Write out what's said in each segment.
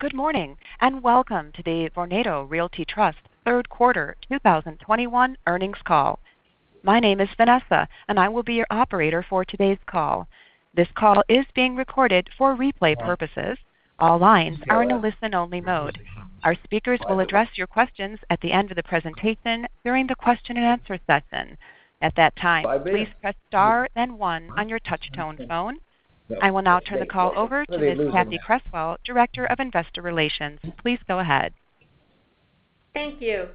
Good morning, and welcome to the Vornado Realty Trust third quarter 2021 earnings call. My name is Vanessa, and I will be your operator for today's call. This call is being recorded for replay purposes. All lines are in a listen-only mode. Our speakers will address your questions at the end of the presentation during the question-and-answer session. At that time, please press star then one on your touch-tone phone. I will now turn the call over to Ms. Cathy Creswell, Director of Investor Relations. Please go ahead. Thank you.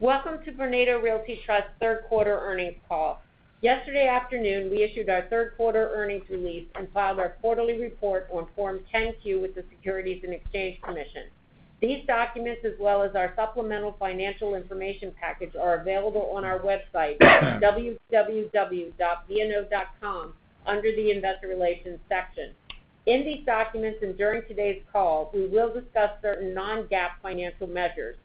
Welcome to Vornado Realty Trust third quarter earnings call. Yesterday afternoon, we issued our third quarter earnings release and filed our quarterly report on Form 10-Q with the Securities and Exchange Commission. These documents, as well as our supplemental financial information package, are available on our website, www.vno.com, under the Investor Relations section. In these documents and during today's call, we will discuss certain non-GAAP financial measures.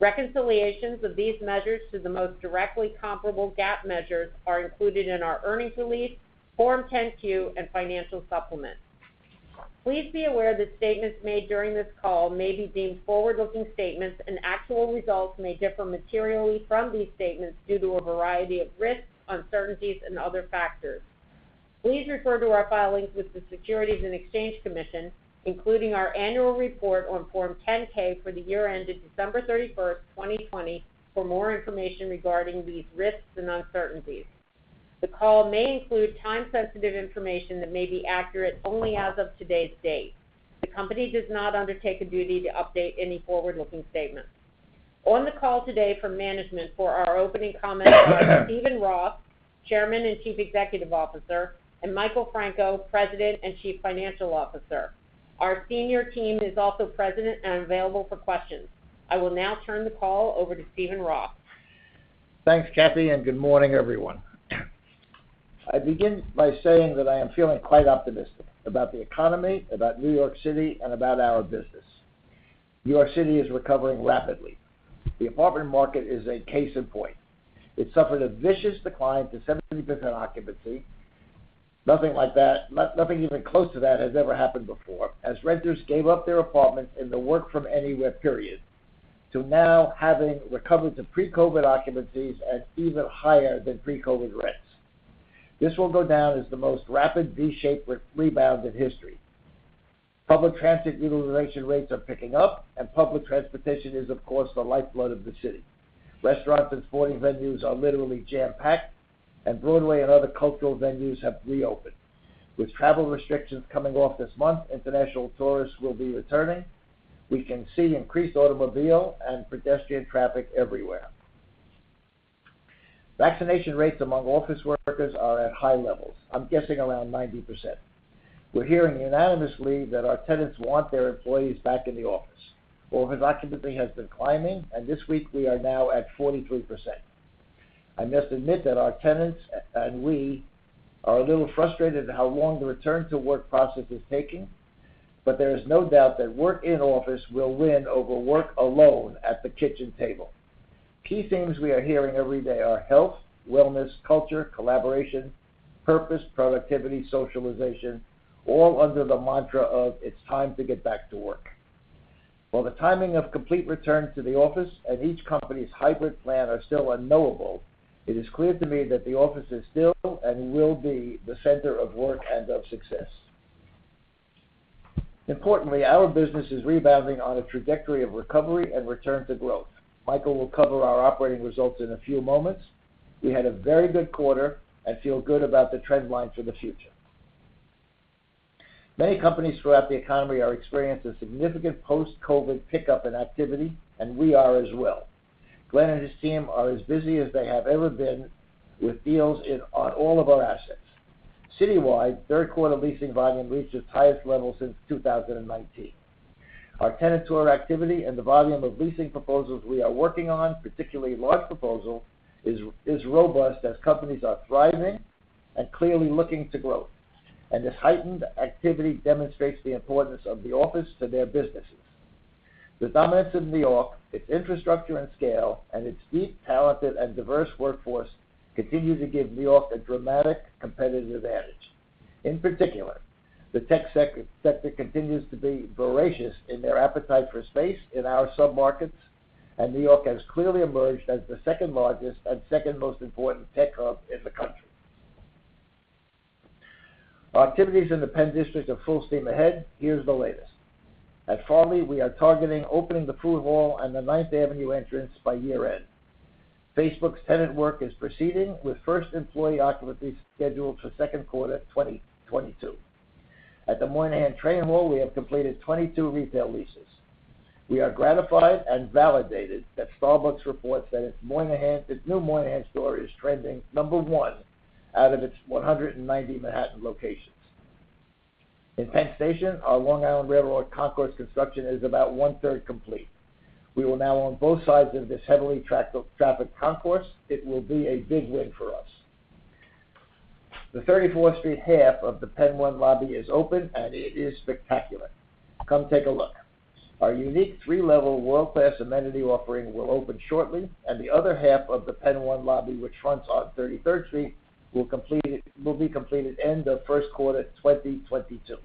Reconciliations of these measures to the most directly comparable GAAP measures are included in our earnings release, Form 10-Q, and financial supplement. Please be aware that statements made during this call may be deemed forward-looking statements, and actual results may differ materially from these statements due to a variety of risks, uncertainties, and other factors. Please refer to our filings with the Securities and Exchange Commission, including our annual report on Form 10-K for the year ended December 31, 2020, for more information regarding these risks and uncertainties. The call may include time-sensitive information that may be accurate only as of today's date. The company does not undertake a duty to update any forward-looking statements. On the call today from management for our opening comments are Steve Roth, Chairman and Chief Executive Officer, and Michael Franco, President and Chief Financial Officer. Our senior team is also present and available for questions. I will now turn the call over to Steve Roth. Thanks, Cathy, and good morning, everyone. I begin by saying that I am feeling quite optimistic about the economy, about New York City, and about our business. New York City is recovering rapidly. The apartment market is a case in point. It suffered a vicious decline to 70% occupancy. Nothing like that, nothing even close to that has ever happened before, as renters gave up their apartments in the work-from-anywhere period to now having recovered to pre-COVID occupancies at even higher than pre-COVID rents. This will go down as the most rapid V-shaped rebound in history. Public transit utilization rates are picking up, and public transportation is, of course, the lifeblood of the city. Restaurants and sporting venues are literally jam-packed, and Broadway and other cultural venues have reopened. With travel restrictions coming off this month, international tourists will be returning. We can see increased automobile and pedestrian traffic everywhere. Vaccination rates among office workers are at high levels, I'm guessing around 90%. We're hearing unanimously that our tenants want their employees back in the office. Office occupancy has been climbing, and this week we are now at 43%. I must admit that our tenants and we are a little frustrated at how long the return to work process is taking, but there is no doubt that work in office will win over work alone at the kitchen table. Key themes we are hearing every day are health, wellness, culture, collaboration, purpose, productivity, socialization, all under the mantra of it's time to get back to work. While the timing of complete return to the office and each company's hybrid plan are still unknowable, it is clear to me that the office is still and will be the center of work and of success. Importantly, our business is rebounding on a trajectory of recovery and return to growth. Michael will cover our operating results in a few moments. We had a very good quarter and feel good about the trend line for the future. Many companies throughout the economy are experiencing significant post-COVID pickup in activity, and we are as well. Glen Weiss and his team are as busy as they have ever been with deals on all of our assets. Citywide, third quarter leasing volume reached its highest level since 2019. Our tenant tour activity and the volume of leasing proposals we are working on, particularly large proposal, is robust as companies are thriving and clearly looking to grow. This heightened activity demonstrates the importance of the office to their businesses. The dominance of New York, its infrastructure and scale, and its deep, talented, and diverse workforce continue to give New York a dramatic competitive advantage. In particular, the tech sector continues to be voracious in their appetite for space in our submarkets, and New York has clearly emerged as the second-largest and second-most important tech hub in the country. Our activities in the Penn district are full steam ahead. Here's the latest. At Farley, we are targeting opening the food hall and the Ninth Avenue entrance by year-end. Facebook's tenant work is proceeding, with first employee occupancy scheduled for second quarter 2022. At the Moynihan Train Hall, we have completed 22 retail leases. We are gratified and validated that Starbucks reports that its new Moynihan store is trending number 1 out of its 190 Manhattan locations. In Penn Station, our Long Island Rail Road concourse construction is about one-third complete. We will now own both sides of this heavily trafficked concourse. It will be a big win for us. The 34th Street half of the Penn One lobby is open, and it is spectacular. Come take a look. Our unique three-level world-class amenity offering will open shortly, and the other half of the Penn One lobby, which fronts on 33rd Street, will be completed end of first quarter 2022.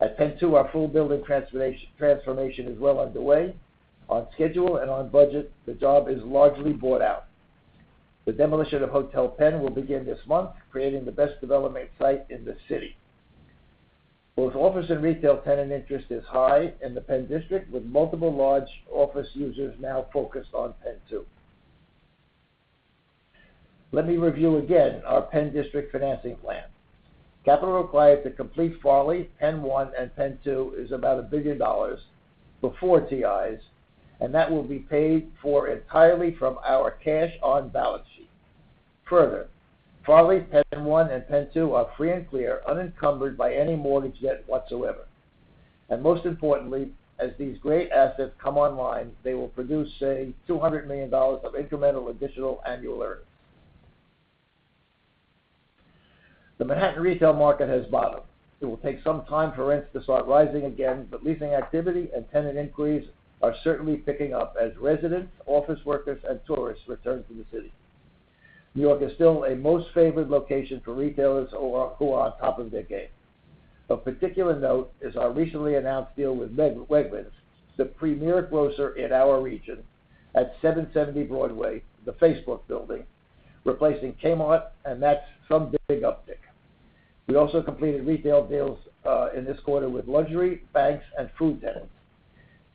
At Penn Two, our full building transformation is well underway. On schedule and on budget, the job is largely bought out. The demolition of Hotel Penn will begin this month, creating the best development site in the city. Both office and retail tenant interest is high in the Penn District, with multiple large office users now focused on Penn Two. Let me review again our Penn District financing plan. Capital required to complete Farley, Penn One, and Penn Two is about $1 billion before TIs, and that will be paid for entirely from our cash on balance sheet. Further, Farley, Penn One, and Penn Two are free and clear, unencumbered by any mortgage debt whatsoever. Most importantly, as these great assets come online, they will produce, say, $200 million of incremental additional annual earnings. The Manhattan retail market has bottomed. It will take some time for rents to start rising again, but leasing activity and tenant inquiries are certainly picking up as residents, office workers, and tourists return to the city. New York is still a most favored location for retailers who are on top of their game. Of particular note is our recently announced deal with Wegmans, the premier grocer in our region, at 770 Broadway, the Facebook building, replacing Kmart, and that's some big uptick. We also completed retail deals in this quarter with luxury, banks, and food tenants.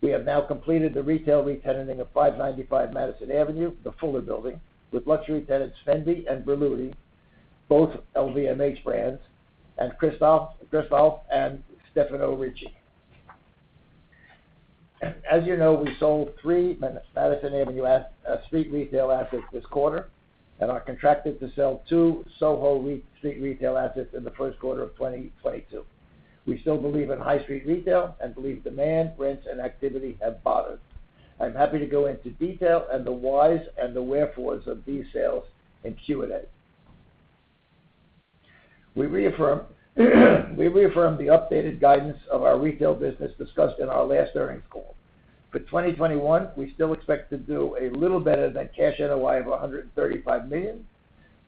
We have now completed the retail retenanting of 595 Madison Avenue, the Fuller Building, with luxury tenants Fendi and Berluti, both LVMH brands, and Christofle and Stefano Ricci. As you know, we sold 3 Madison Avenue street retail assets this quarter and are contracted to sell 2 Soho street retail assets in the first quarter of 2022. We still believe in high street retail and believe demand, rents, and activity have bottomed. I'm happy to go into detail and the whys and the wherefores of these sales in Q&A. We reaffirm the updated guidance of our retail business discussed in our last earnings call. For 2021, we still expect to do a little better than cash NOI of $135 million.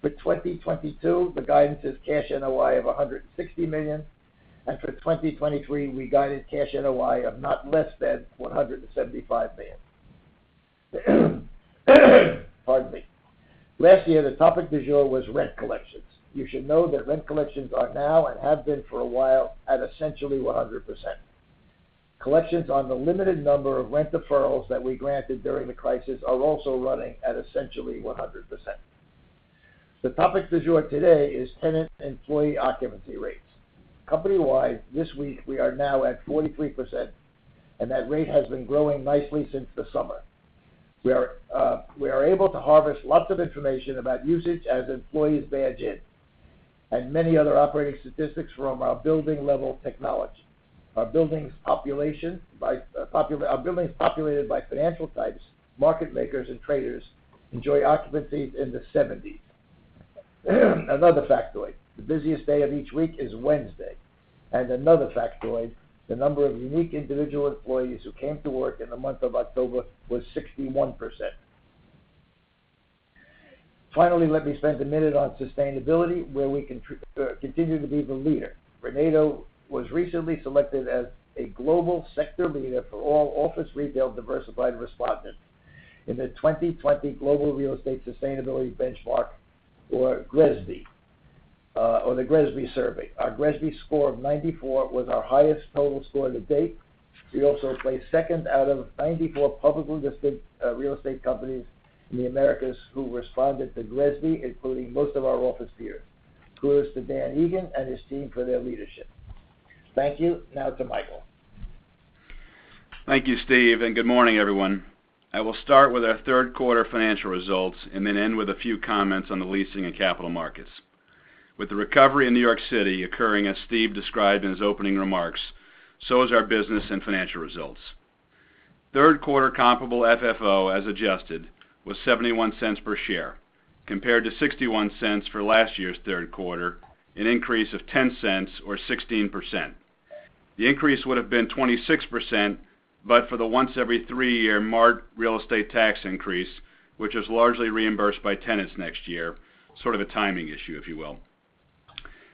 For 2022, the guidance is cash NOI of $160 million. For 2023, we guided cash NOI of not less than $175 million. Pardon me. Last year, the topic du jour was rent collections. You should know that rent collections are now, and have been for a while, at essentially 100%. Collections on the limited number of rent deferrals that we granted during the crisis are also running at essentially 100%. The topic du jour today is tenant employee occupancy rates. Company-wide, this week we are now at 43%, and that rate has been growing nicely since the summer. We are able to harvest lots of information about usage as employees badge in and many other operating statistics from our building level technology. Our buildings populated by financial types, market makers and traders enjoy occupancies in the 70s. Another factoid, the busiest day of each week is Wednesday. Another factoid, the number of unique individual employees who came to work in the month of October was 61%. Finally, let me spend a minute on sustainability, where we continue to be the leader. Vornado was recently selected as a global sector leader for all office retail diversified respondents in the 2020 Global Real Estate Sustainability Benchmark, or GRESB, or the GRESB survey. Our GRESB score of 94 was our highest total score to date. We also placed second out of 94 publicly listed, real estate companies in the Americas who responded to GRESB, including most of our office peers. Kudos to Dan Egan and his team for their leadership. Thank you. Now to Michael. Thank you, Steve, and good morning, everyone. I will start with our third quarter financial results and then end with a few comments on the leasing and capital markets. With the recovery in New York City occurring as Steve described in his opening remarks, so is our business and financial results. Third quarter comparable FFO, as adjusted, was $0.71 per share, compared to $0.61 for last year's third quarter, an increase of 10 cents or 16%. The increase would have been 26%, but for the once every three-year Mart real estate tax increase, which is largely reimbursed by tenants next year, sort of a timing issue, if you will.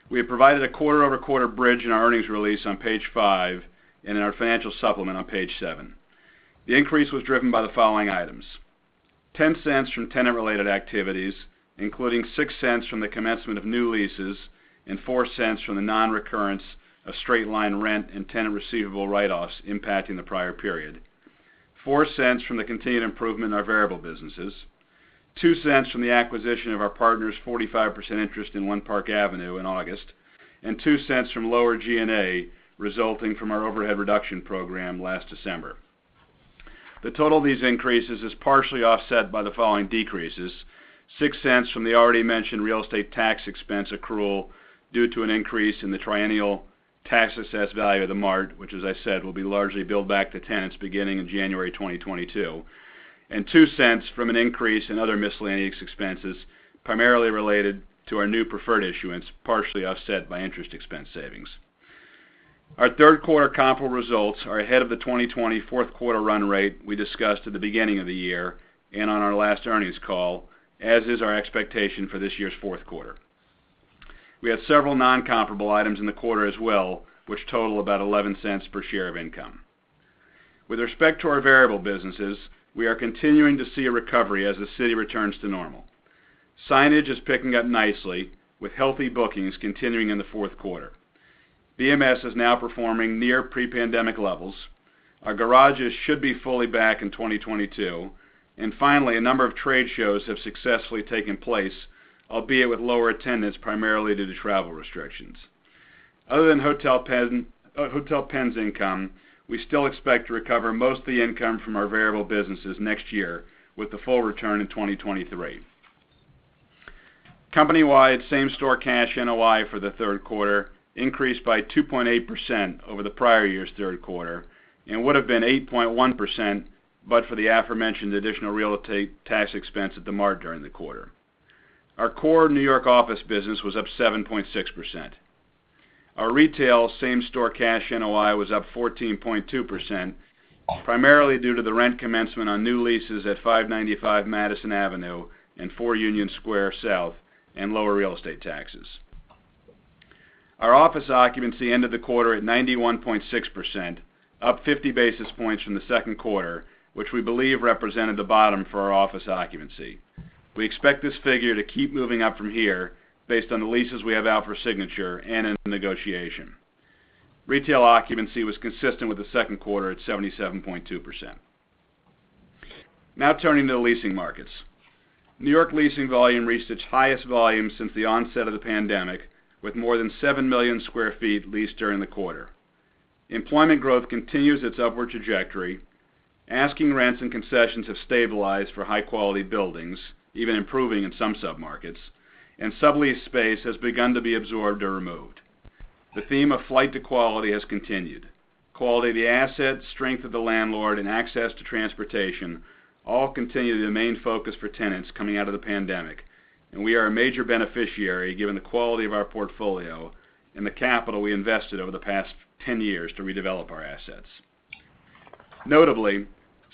We have provided a quarter-over-quarter bridge in our earnings release on page 5 and in our financial supplement on page 7. The increase was driven by the following items, $0.10 from tenant related activities, including $0.06 from the commencement of new leases and $0.04 from the non-recurrence of straight line rent and tenant receivable write-offs impacting the prior period. $0.04 from the continued improvement in our variable businesses, $0.02 from the acquisition of our partner's 45% interest in One Park Avenue in August, and $0.02 from lower G&A resulting from our overhead reduction program last December. The total of these increases is partially offset by the following decreases: $0.06 from the already mentioned real estate tax expense accrual due to an increase in the triennial tax assessed value of the Mart, which as I said, will be largely billed back to tenants beginning in January 2022. $0.02 from an increase in other miscellaneous expenses, primarily related to our new preferred issuance, partially offset by interest expense savings. Our third quarter comparable results are ahead of the uncertain run rate we discussed at the beginning of the year and on our last earnings call, as is our expectation for this year's fourth quarter. We have several non-comparable items in the quarter as well, which total about $0.11 per share of income. With respect to our variable businesses, we are continuing to see a recovery as the city returns to normal. Signage is picking up nicely, with healthy bookings continuing in the fourth quarter. BMS is now performing near pre-pandemic levels. Our garages should be fully back in 2022. Finally, a number of trade shows have successfully taken place, albeit with lower attendance, primarily due to travel restrictions. Other than Hotel Penn's income, we still expect to recover most of the income from our variable businesses next year, with the full return in 2023. Company-wide same-store cash NOI for the third quarter increased by 2.8% over the prior year's third quarter and would have been 8.1%, but for the aforementioned additional real estate tax expense at the Mart during the quarter. Our core New York office business was up 7.6%. Our retail same-store cash NOI was up 14.2%, primarily due to the rent commencement on new leases at 595 Madison Avenue and 4 Union Square South and lower real estate taxes. Our office occupancy ended the quarter at 91.6%, up 50 basis points from the second quarter, which we believe represented the bottom for our office occupancy. We expect this figure to keep moving up from here based on the leases we have out for signature and in negotiation. Retail occupancy was consistent with the second quarter at 77.2%. Now turning to the leasing markets. New York leasing volume reached its highest volume since the onset of the pandemic, with more than 7 million sq ft leased during the quarter. Employment growth continues its upward trajectory. Asking rents and concessions have stabilized for high-quality buildings, even improving in some submarkets, and subleased space has begun to be absorbed or removed. The theme of flight to quality has continued. Quality of the asset, strength of the landlord, and access to transportation all continue to be the main focus for tenants coming out of the pandemic, and we are a major beneficiary, given the quality of our portfolio and the capital we invested over the past 10 years to redevelop our assets. Notably,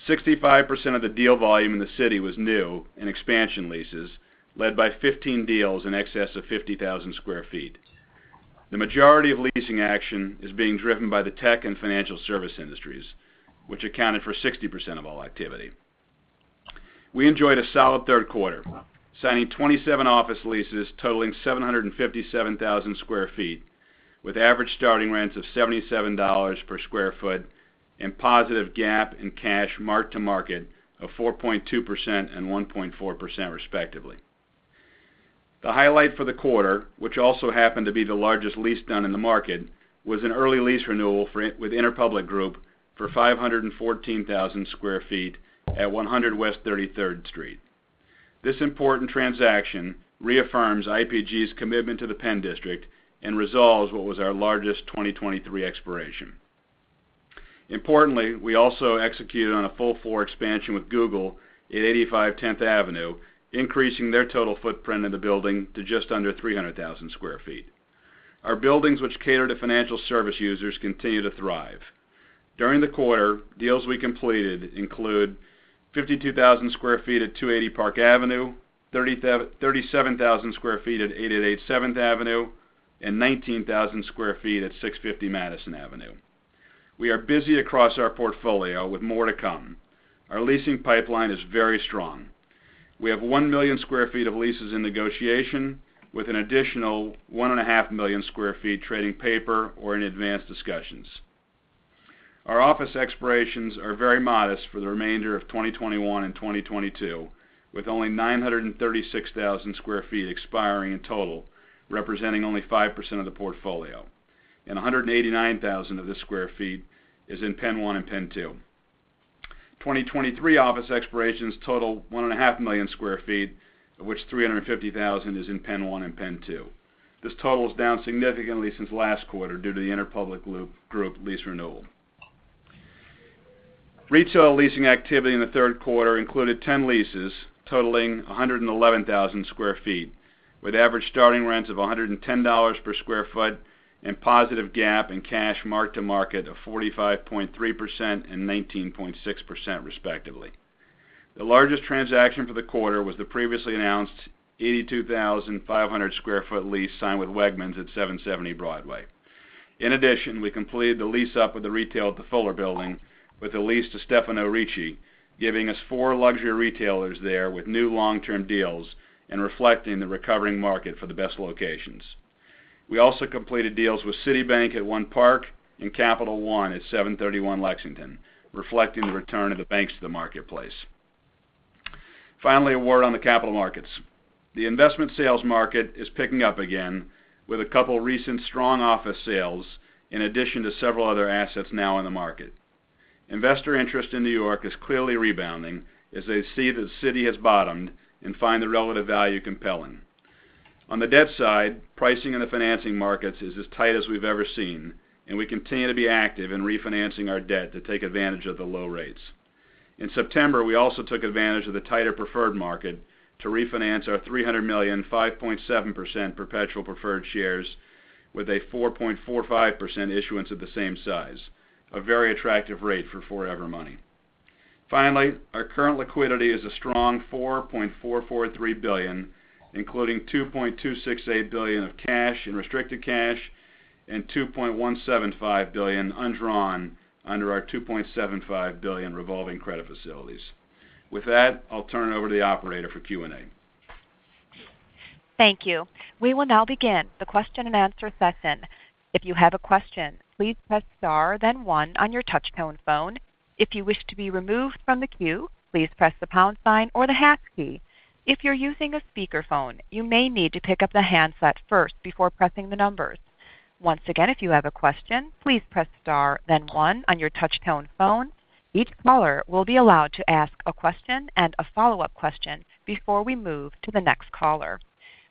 65% of the deal volume in the city was new in expansion leases, led by 15 deals in excess of 50,000 sq ft. The majority of leasing action is being driven by the tech and financial service industries, which accounted for 60% of all activity. We enjoyed a solid third quarter, signing 27 office leases totaling 757,000 sq ft, with average starting rents of $77 per sq ft and positive GAAP and cash mark to market of 4.2% and 1.4% respectively. The highlight for the quarter, which also happened to be the largest lease done in the market, was an early lease renewal for IPG with Interpublic Group for 514,000 sq ft at 100 West 33rd Street. This important transaction reaffirms IPG's commitment to the Penn district and resolves what was our largest 2023 expiration. Importantly, we also executed on a full floor expansion with Google at 85 Tenth Avenue, increasing their total footprint in the building to just under 300,000 sq ft. Our buildings which cater to financial service users continue to thrive. During the quarter, deals we completed include 52,000 sq ft at 280 Park Avenue, 37,000 sq ft at 888 Eighth Avenue, and 19,000 sq ft at 650 Madison Avenue. We are busy across our portfolio with more to come. Our leasing pipeline is very strong. We have 1 million sq ft of leases in negotiation with an additional 1.5 million sq ft trading paper or in advanced discussions. Our office expirations are very modest for the remainder of 2021 and 2022, with only 936,000 sq ft expiring in total, representing only 5% of the portfolio, and 189,000 sq ft is in Penn one and Penn two. 2023 office expirations total 1.5 million sq ft, of which 350,000 is in Penn One and Penn Two. This total is down significantly since last quarter due to the Interpublic Group lease renewal. Retail leasing activity in the third quarter included 10 leases totaling 111,000 sq ft, with average starting rents of $110 per sq ft and positive GAAP and cash mark to market of 45.3% and 19.6% respectively. The largest transaction for the quarter was the previously announced 82,500 sq ft lease signed with Wegmans at 770 Broadway. In addition, we completed the lease up of the retail at the Fuller Building with a lease to Stefano Ricci, giving us four luxury retailers there with new long-term deals and reflecting the recovering market for the best locations. We also completed deals with Citibank at One Park and Capital One at 731 Lexington, reflecting the return of the banks to the marketplace. Finally, a word on the capital markets. The investment sales market is picking up again with a couple recent strong office sales in addition to several other assets now in the market. Investor interest in New York is clearly rebounding as they see the city has bottomed and find the relative value compelling. On the debt side, pricing in the financing markets is as tight as we've ever seen, and we continue to be active in refinancing our debt to take advantage of the low rates. In September, we also took advantage of the tighter preferred market to refinance our $300 million, 5.7% perpetual preferred shares with a 4.45% issuance of the same size, a very attractive rate for forever money. Finally, our current liquidity is a strong $4.443 billion, including $2.268 billion of cash and restricted cash and $2.175 billion undrawn under our $2.75 billion revolving credit facilities. With that, I'll turn it over to the operator for Q&A. Thank you. We will now begin the question-and-answer session. If you have a question, please press star then one on your touchtone phone. If you wish to be removed from the queue, please press the pound sign or the hash key. If you're using a speakerphone, you may need to pick up the handset first before pressing the numbers. Once again, if you have a question, please press star then one on your touchtone phone. Each caller will be allowed to ask a question and a follow-up question before we move to the next caller.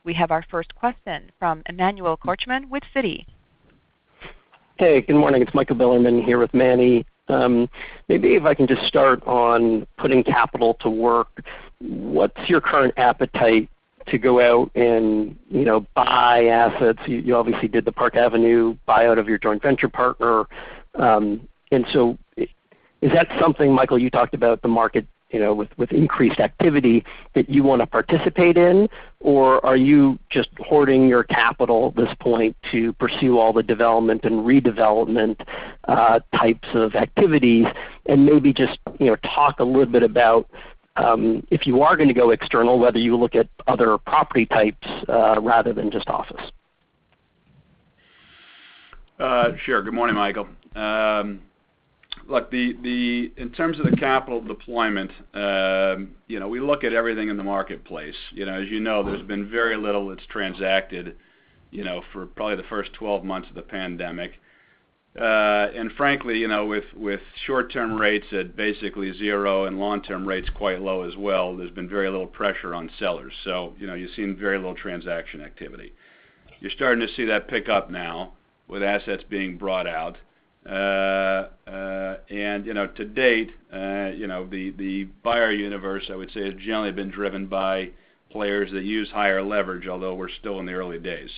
We have our first question from Michael Bilerman with Citi. Hey, good morning. It's Michael Bilerman here with Manny. Maybe if I can just start on putting capital to work. What's your current appetite to go out and, you know, buy assets? You obviously did the Park Avenue buyout of your joint venture partner. Is that something, Michael, you talked about the market, you know, with increased activity that you wanna participate in? Or are you just hoarding your capital at this point to pursue all the development and redevelopment types of activities? Maybe just, you know, talk a little bit about if you are gonna go external, whether you look at other property types rather than just office. Sure. Good morning, Michael. Look, in terms of the capital deployment, you know, we look at everything in the marketplace. You know, as you know, there's been very little that's transacted, you know, for probably the first 12 months of the pandemic. Frankly, you know, with short-term rates at basically zero and long-term rates quite low as well, there's been very little pressure on sellers. You know, you've seen very little transaction activity. You're starting to see that pick up now with assets being brought out. You know, to date, you know, the buyer universe, I would say, has generally been driven by players that use higher leverage, although we're still in the early days.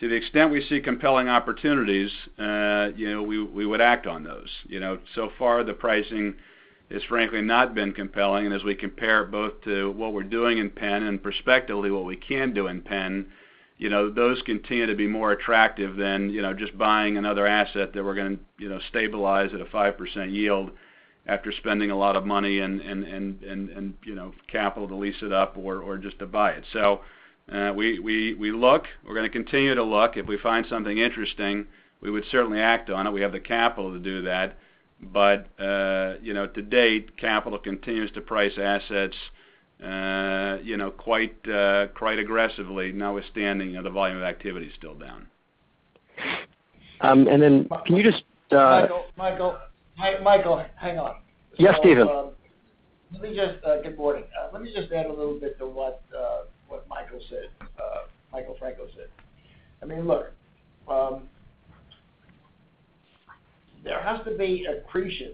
To the extent we see compelling opportunities, you know, we would act on those. You know, so far, the pricing has frankly not been compelling. As we compare both to what we're doing in Penn and prospectively what we can do in Penn, you know, those continue to be more attractive than, you know, just buying another asset that we're gonna, you know, stabilize at a 5% yield after spending a lot of money and, you know, capital to lease it up or just to buy it. We look. We're gonna continue to look. If we find something interesting, we would certainly act on it. We have the capital to do that. To date, capital continues to price assets, you know, quite aggressively, notwithstanding, you know, the volume of activity is still down. Can you just, Michael, hang on. Yes, Steven. Good morning. Let me just add a little bit to what Michael said, Michael Franco said. I mean, look, there has to be accretion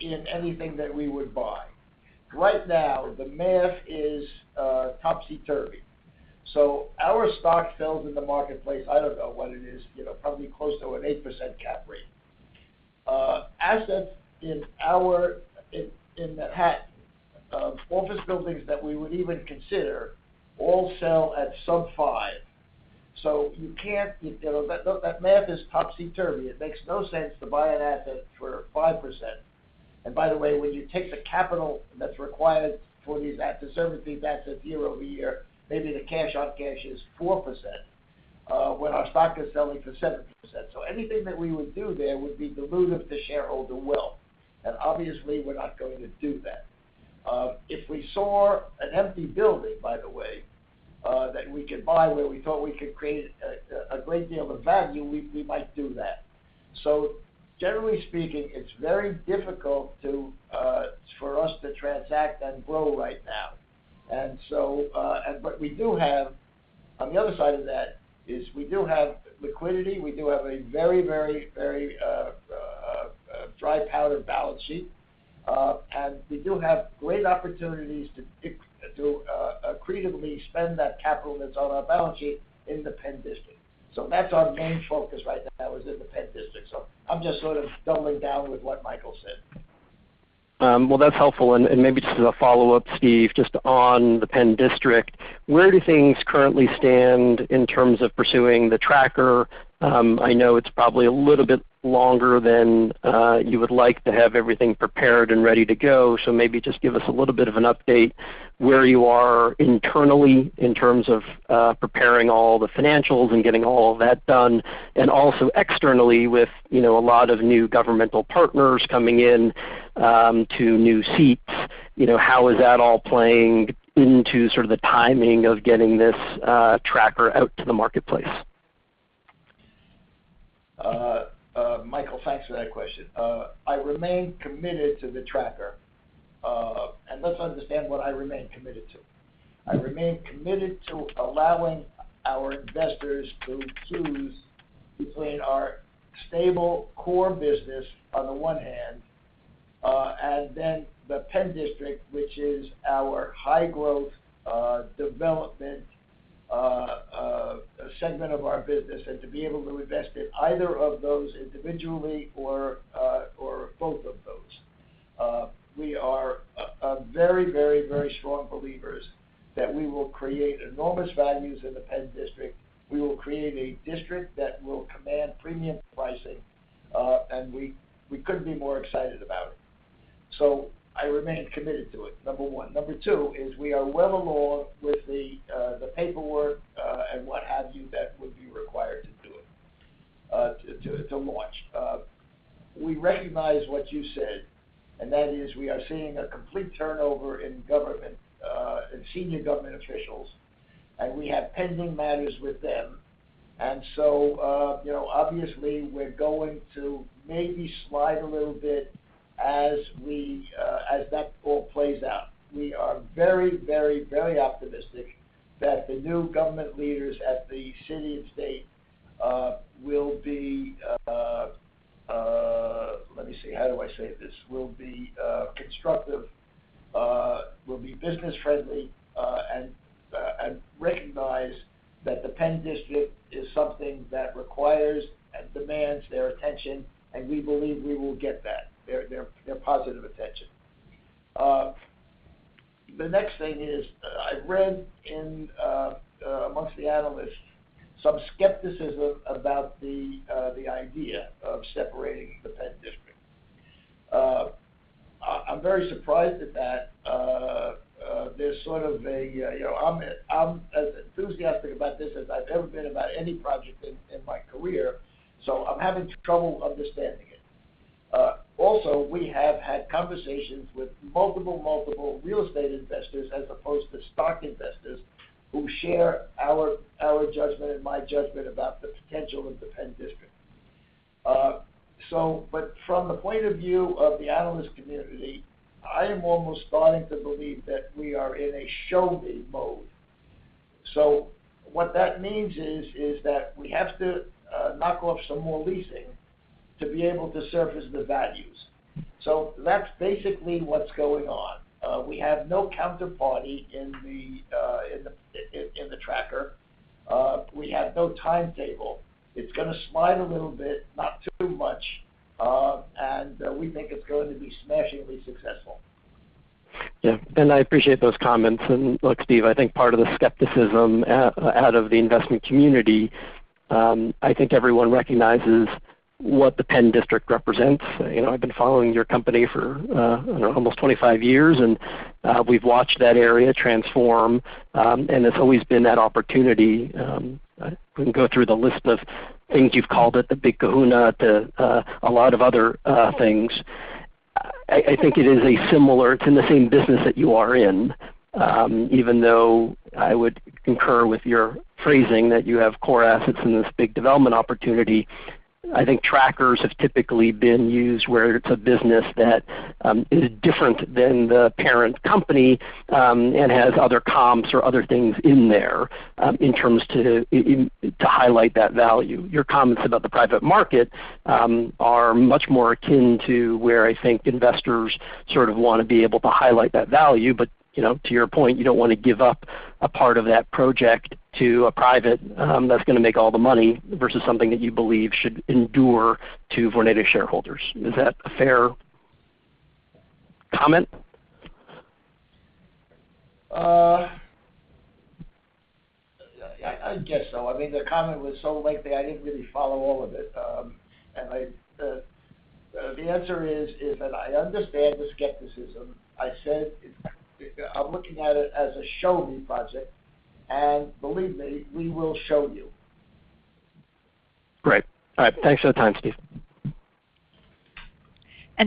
in anything that we would buy. Right now, the math is topsy-turvy. Our stock sells in the marketplace, I don't know what it is, you know, probably close to an 8% cap rate. Assets in Manhattan office buildings that we would even consider all sell at sub-5%. You can't, you know, that math is topsy-turvy. It makes no sense to buy an asset for 5%. By the way, when you take the capital that's required for these assets, certainly that's at 0% per year, maybe the cash-on-cash is 4%, when our stock is selling for 7%. Anything that we would do there would be dilutive to shareholder wealth. Obviously, we're not going to do that. If we saw an empty building, by the way, that we could buy, where we thought we could create a great deal of value, we might do that. Generally speaking, it's very difficult for us to transact and grow right now. What we do have on the other side of that is we do have liquidity. We do have a very dry powder balance sheet. We do have great opportunities to accretively spend that capital that's on our balance sheet in the Penn District. That's our main focus right now is in the Penn District. I'm just sort of doubling down with what Michael said. Well, that's helpful. Maybe just as a follow-up, Steve, just on the Penn District, where do things currently stand in terms of pursuing the tracker? I know it's probably a little bit longer than you would like to have everything prepared and ready to go. Maybe just give us a little bit of an update where you are internally in terms of preparing all the financials and getting all of that done and also externally with, you know, a lot of new governmental partners coming in to new seats. You know, how is that all playing into sort of the timing of getting this tracker out to the marketplace? Michael, thanks for that question. I remain committed to the tracker. Let's understand what I remain committed to. I remain committed to allowing our investors to choose between our stable core business on the one hand, and then the Penn District, which is our high-growth development segment of our business, and to be able to invest in either of those individually or both of those. We are very strong believers that we will create enormous values in the Penn District. We will create a district that will command premium pricing, and we couldn't be more excited about it. I remain committed to it, number one. Number two is we are well along with the paperwork and what have you that would be required to do it to launch. We recognize what you said, and that is we are seeing a complete turnover in government in senior government officials, and we have pending matters with them. You know, obviously we're going to maybe slide a little bit as that all plays out. We are very optimistic that the new government leaders at the city and state will be. Let me see. How do I say this? Will be constructive, will be business friendly, and recognize that the Penn District is something that requires and demands their attention, and we believe we will get that, their positive attention. The next thing is, I've read in among the analysts some skepticism about the idea of separating the Penn District. I'm very surprised at that. There's sort of a, you know, I'm as enthusiastic about this as I've ever been about any project in my career, so I'm having trouble understanding it. Also, we have had conversations with multiple real estate investors as opposed to stock investors who share our judgment and my judgment about the potential of the Penn District. But from the point of view of the analyst community, I am almost starting to believe that we are in a show-me mode. What that means is that we have to knock off some more leasing to be able to surface the values. That's basically what's going on. We have no counterparty in the tracker. We have no timetable. It's gonna slide a little bit, not too much, and we think it's going to be smashingly successful. Yeah. I appreciate those comments. Look, Steven, I think part of the skepticism out of the investment community. I think everyone recognizes what the Penn District represents. You know, I've been following your company for, I don't know, almost 25 years, and we've watched that area transform. It's always been that opportunity. I wouldn't go through the list of things you've called it, the Big Kahuna, the, a lot of other things. I think it is a similar. It's in the same business that you are in, even though I would concur with your phrasing that you have core assets in this big development opportunity. I think trackers have typically been used where it's a business that is different than the parent company and has other comps or other things in there in terms to highlight that value. Your comments about the private market are much more akin to where I think investors sort of wanna be able to highlight that value. You know, to your point, you don't wanna give up a part of that project to a private that's gonna make all the money versus something that you believe should endure to Vornado shareholders. Is that a fair comment? I guess so. I mean, the comment was so lengthy, I didn't really follow all of it. The answer is that I understand the skepticism. I said, in fact, I'm looking at it as a show-me project, and believe me, we will show you. Great. All right. Thanks for the time, Steve.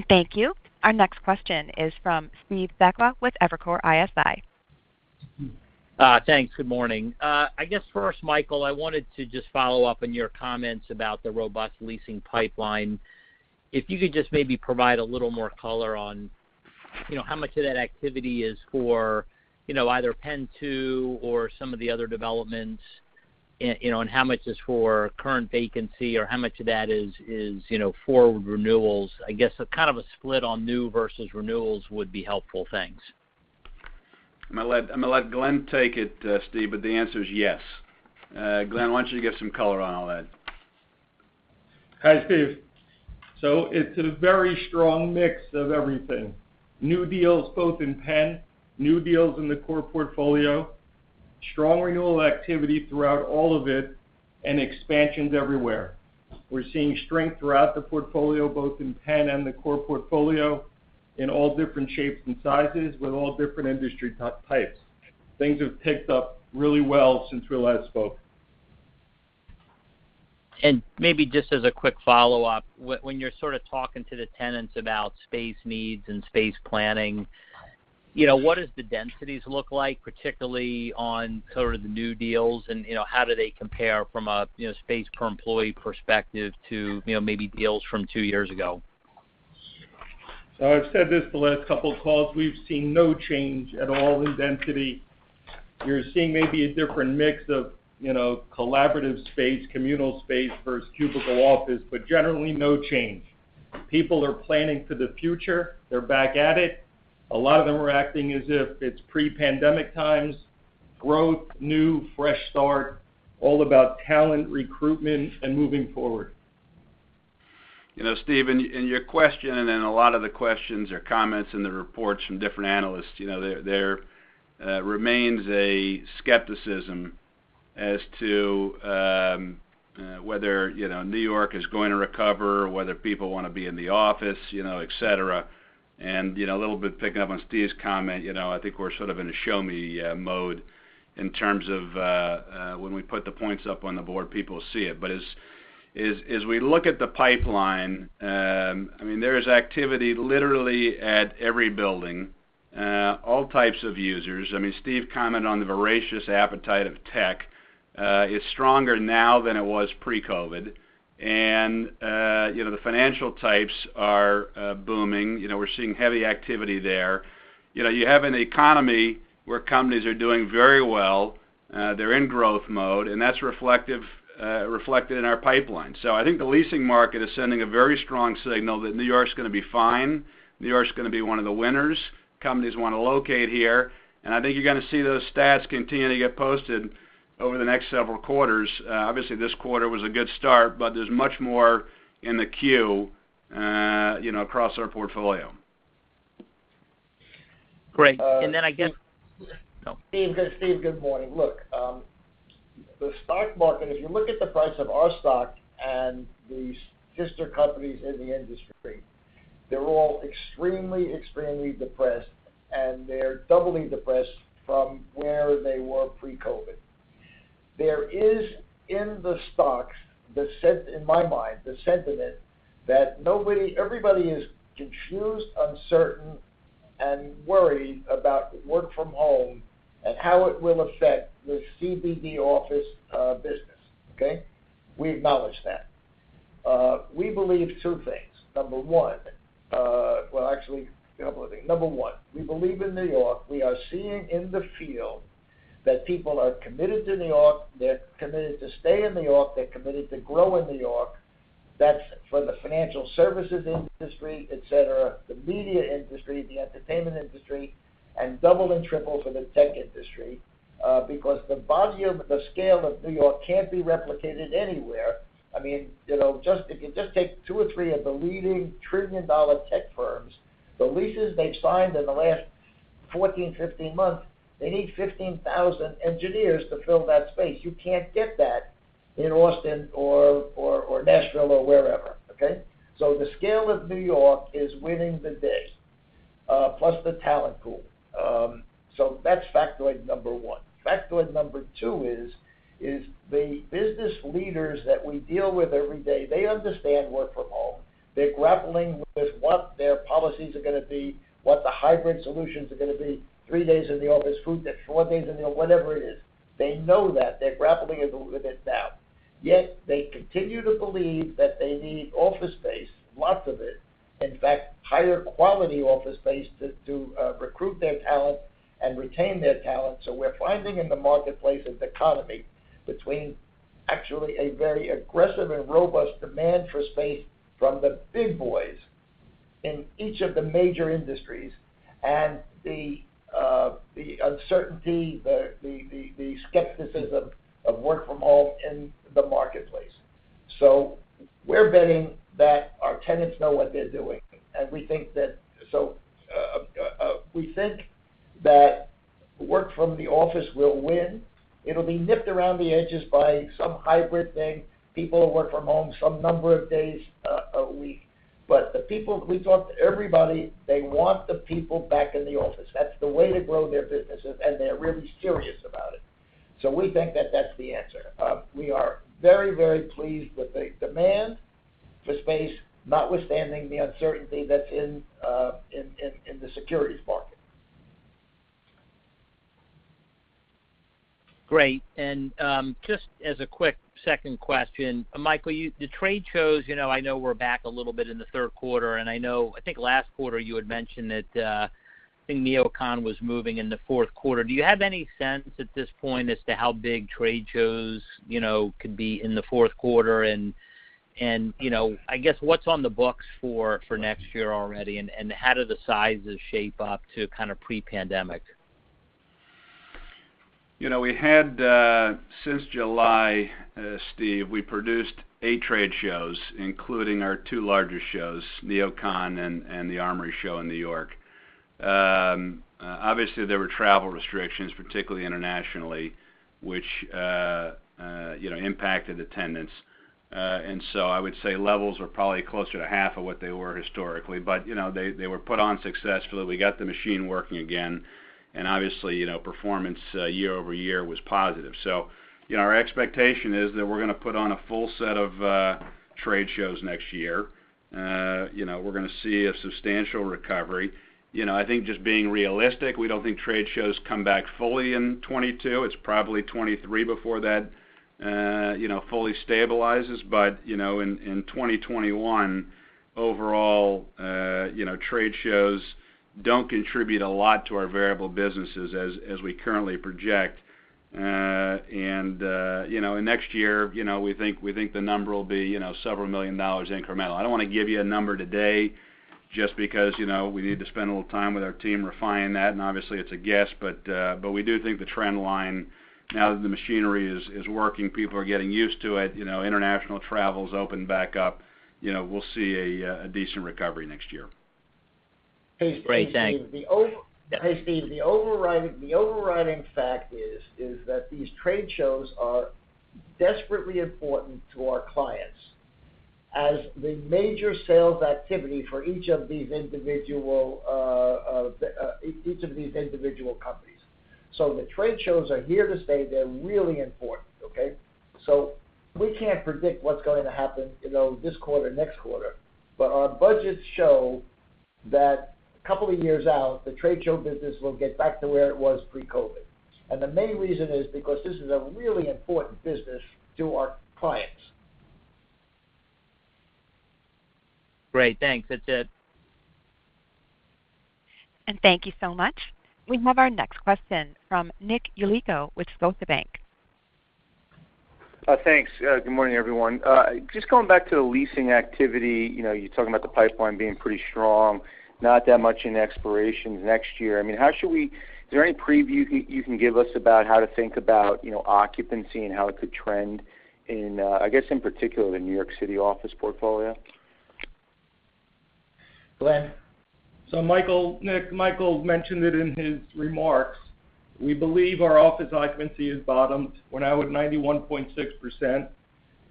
Thank you. Our next question is from Steve Sakwa [Senior Managing Director] (Evercore ISI) Evercore ISI. Thanks. Good morning. I guess first, Michael, I wanted to just follow up on your comments about the robust leasing pipeline. If you could just maybe provide a little more color on, you know, how much of that activity is for, you know, either Penn two or some of the other developments, and, you know, and how much is for current vacancy or how much of that is, you know, for renewals. I guess a kind of a split on new versus renewals would be helpful. Thanks. I'm gonna let Glen take it, Steve, but the answer is yes. Glen, why don't you give some color on all that? Hi, Steve. It's a very strong mix of everything. New deals both in Penn, new deals in the core portfolio, strong renewal activity throughout all of it, and expansions everywhere. We're seeing strength throughout the portfolio, both in Penn and the core portfolio, in all different shapes and sizes with all different industry types. Things have picked up really well since we last spoke. Maybe just as a quick follow-up, when you're sort of talking to the tenants about space needs and space planning. You know, what does the densities look like, particularly on sort of the new deals and, you know, how do they compare from a, you know, space per employee perspective to, you know, maybe deals from two years ago? I've said this the last couple of calls, we've seen no change at all in density. You're seeing maybe a different mix of, you know, collaborative space, communal space versus cubicle office, but generally no change. People are planning for the future. They're back at it. A lot of them are acting as if it's pre-pandemic times, growth, new, fresh start, all about talent recruitment and moving forward. You know, Steve, in your question and in a lot of the questions or comments in the reports from different analysts, you know, there remains a skepticism as to whether, you know, New York is going to recover, whether people want to be in the office, you know, et cetera. You know, a little bit picking up on Steve's comment, you know, I think we're sort of in a show me mode in terms of when we put the points up on the board, people see it. As we look at the pipeline, I mean, there is activity literally at every building, all types of users. I mean, Steve commented on the voracious appetite of tech is stronger now than it was pre-COVID. You know, the financial types are booming. You know, we're seeing heavy activity there. You know, you have an economy where companies are doing very well. They're in growth mode, and that's reflected in our pipeline. I think the leasing market is sending a very strong signal that New York's gonna be fine. New York's gonna be one of the winners. Companies wanna locate here. I think you're gonna see those stats continue to get posted over the next several quarters. Obviously, this quarter was a good start, but there's much more in the queue, you know, across our portfolio. Great. I guess- Steve. Oh. Steve, good morning. Look, the stock market, if you look at the price of our stock and the sister companies in the industry, they're all extremely depressed, and they're doubly depressed from where they were pre-COVID. There is, in the stocks, in my mind, the sentiment that everybody is confused, uncertain, and worried about work from home and how it will affect the CBD office business. Okay? We acknowledge that. We believe two things. Number one, well, actually, a couple of things. Number one, we believe in New York. We are seeing in the field that people are committed to New York. They're committed to stay in New York. They're committed to grow in New York. That's for the financial services industry, et cetera, the media industry, the entertainment industry, and double and triple for the tech industry, because the volume, the scale of New York can't be replicated anywhere. I mean, you know, just if you take 2 or 3 of the leading trillion-dollar tech firms, the leases they've signed in the last 14, 15 months, they need 15,000 engineers to fill that space. You can't get that in Austin or Nashville or wherever. Okay. The scale of New York is winning the day, plus the talent pool. That's factoid number one. Factoid number two is the business leaders that we deal with every day, they understand work from home. They're grappling with what their policies are gonna be, what the hybrid solutions are gonna be, three days in the office, two days, four days in the office, whatever it is. They know that. They're grappling with it now. Yet, they continue to believe that they need office space, lots of it. In fact, higher quality office space to recruit their talent and retain their talent. We're finding in the marketplace a dichotomy between actually a very aggressive and robust demand for space from the big boys in each of the major industries and the skepticism of work from home in the marketplace. We're betting that our tenants know what they're doing, and we think that work from the office will win. It'll be nipped around the edges by some hybrid thing. People will work from home some number of days a week. We talked to everybody, they want the people back in the office. That's the way to grow their businesses, and they're really serious about it. We think that that's the answer. We are very, very pleased with the demand for space, notwithstanding the uncertainty that's in the securities market. Great. Just as a quick second question, Michael, the trade shows, you know, I know we're back a little bit in the third quarter, and I know, I think last quarter you had mentioned that, I think NeoCon was moving in the fourth quarter. Do you have any sense at this point as to how big trade shows, you know, could be in the fourth quarter? You know, I guess what's on the books for next year already, and how do the sizes shape up to kind of pre-pandemic? You know, we had, since July, Steve, we produced eight trade shows, including our two largest shows, NeoCon and the Armory Show in New York. Obviously, there were travel restrictions, particularly internationally, which, you know, impacted attendance. I would say levels were probably closer to half of what they were historically, but, you know, they were put on successfully. We got the machine working again, and obviously, you know, performance, year-over-year was positive. You know, our expectation is that we're gonna put on a full set of trade shows next year. You know, we're gonna see a substantial recovery. You know, I think just being realistic, we don't think trade shows come back fully in 2022. It's probably 2023 before that, you know, fully stabilizes. You know, in 2021, overall, trade shows don't contribute a lot to our variable businesses as we currently project. You know, next year, you know, we think the number will be $several million incremental. I don't wanna give you a number today just because, you know, we need to spend a little time with our team refining that, and obviously it's a guess, but we do think the trend line now that the machinery is working, people are getting used to it, you know, international travel's opened back up, you know, we'll see a decent recovery next year. Great. Thanks. Hey, Steve. The over- Yeah. Hey, Steve, the overriding fact is that these trade shows are desperately important to our clients as the major sales activity for each of these individual companies. The trade shows are here to stay. They're really important, okay? We can't predict what's going to happen, you know, this quarter, next quarter, but our budgets show that a couple of years out, the trade show business will get back to where it was pre-COVID. The main reason is because this is a really important business to our clients. Great. Thanks. That's it. Thank you so much. We have our next question from Nick Yulico [Analyst] (Scotiabank) Thanks. Good morning, everyone. Just going back to the leasing activity, you know, you're talking about the pipeline being pretty strong, not that much in expirations next year. I mean, is there any preview you can give us about how to think about, you know, occupancy and how it could trend in, I guess, in particular, the New York City office portfolio? Michael, Nick, Michael mentioned it in his remarks. We believe our office occupancy has bottomed. We're now at 91.6%,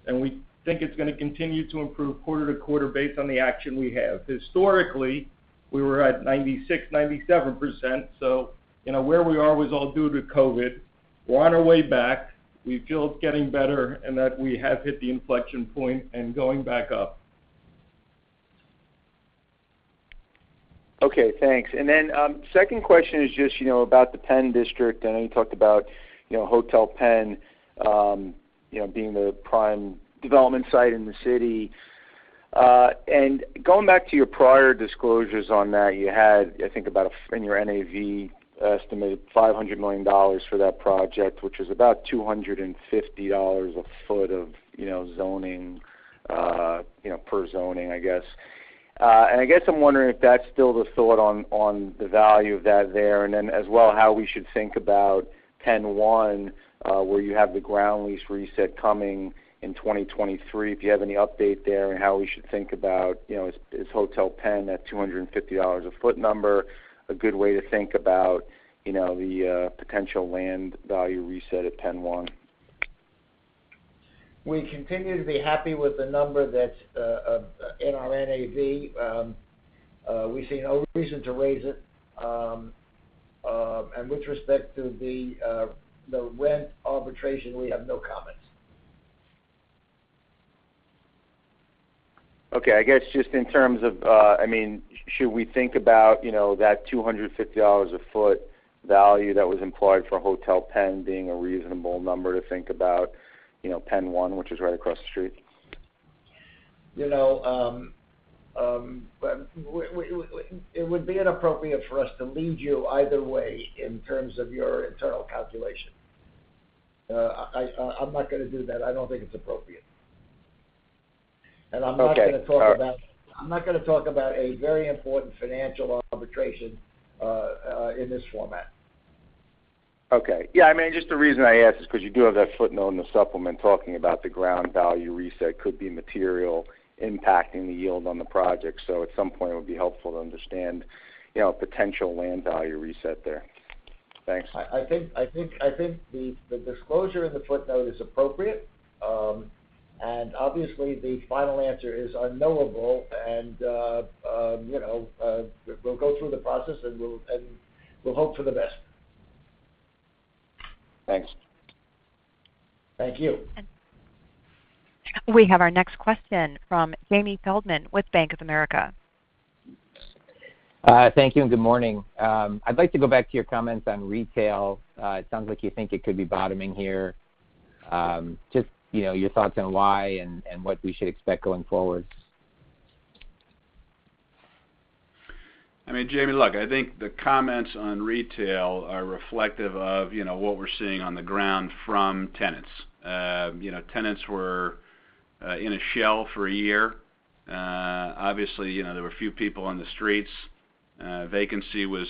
and we think it's gonna continue to improve quarter to quarter based on the action we have. Historically, we were at 96%, 97%, so you know where we are was all due to COVID. We're on our way back. We feel it's getting better and that we have hit the inflection point and going back up. Okay, thanks. Second question is just, you know, about the Penn District. I know you talked about, you know, Hotel Penn, you know, being the prime development site in the city. Going back to your prior disclosures on that, you had, I think, about in your NAV estimated $500 million for that project, which is about $250 a foot of, you know, zoning, you know, per zoning, I guess. I guess I'm wondering if that's still the thought on the value of that there, and then as well, how we should think about Penn One, where you have the ground lease reset coming in 2023, if you have any update there on how we should think about, you know, is Hotel Penn at $250 a foot number, a good way to think about, you know, the potential land value reset at Penn One? We continue to be happy with the number that's in our NAV. We see no reason to raise it. With respect to the rent arbitration, we have no comment. Okay. I guess, just in terms of, I mean, should we think about, you know, that $250 a foot value that was implied for Hotel Penn being a reasonable number to think about, you know, Penn One, which is right across the street? You know, it would be inappropriate for us to lead you either way in terms of your internal calculation. I'm not gonna do that. I don't think it's appropriate. I'm not gonna talk about- Okay. All right. I'm not gonna talk about a very important financial arbitration in this format. Okay. Yeah, I mean, just the reason I ask is 'cause you do have that footnote in the supplement talking about the ground value reset could be material impacting the yield on the project. At some point, it would be helpful to understand, you know, potential land value reset there. Thanks. I think the disclosure in the footnote is appropriate. Obviously, the final answer is unknowable and you know, we'll go through the process, and we'll hope for the best. Thanks. Thank you. We have our next question from Jamie Feldman with Bank of America. Thank you, and good morning. I'd like to go back to your comments on retail. It sounds like you think it could be bottoming here. Just, you know, your thoughts on why and what we should expect going forward. I mean, Jamie, look, I think the comments on retail are reflective of, you know, what we're seeing on the ground from tenants. You know, tenants were in a shell for a year. Obviously, you know, there were a few people on the streets. Vacancy was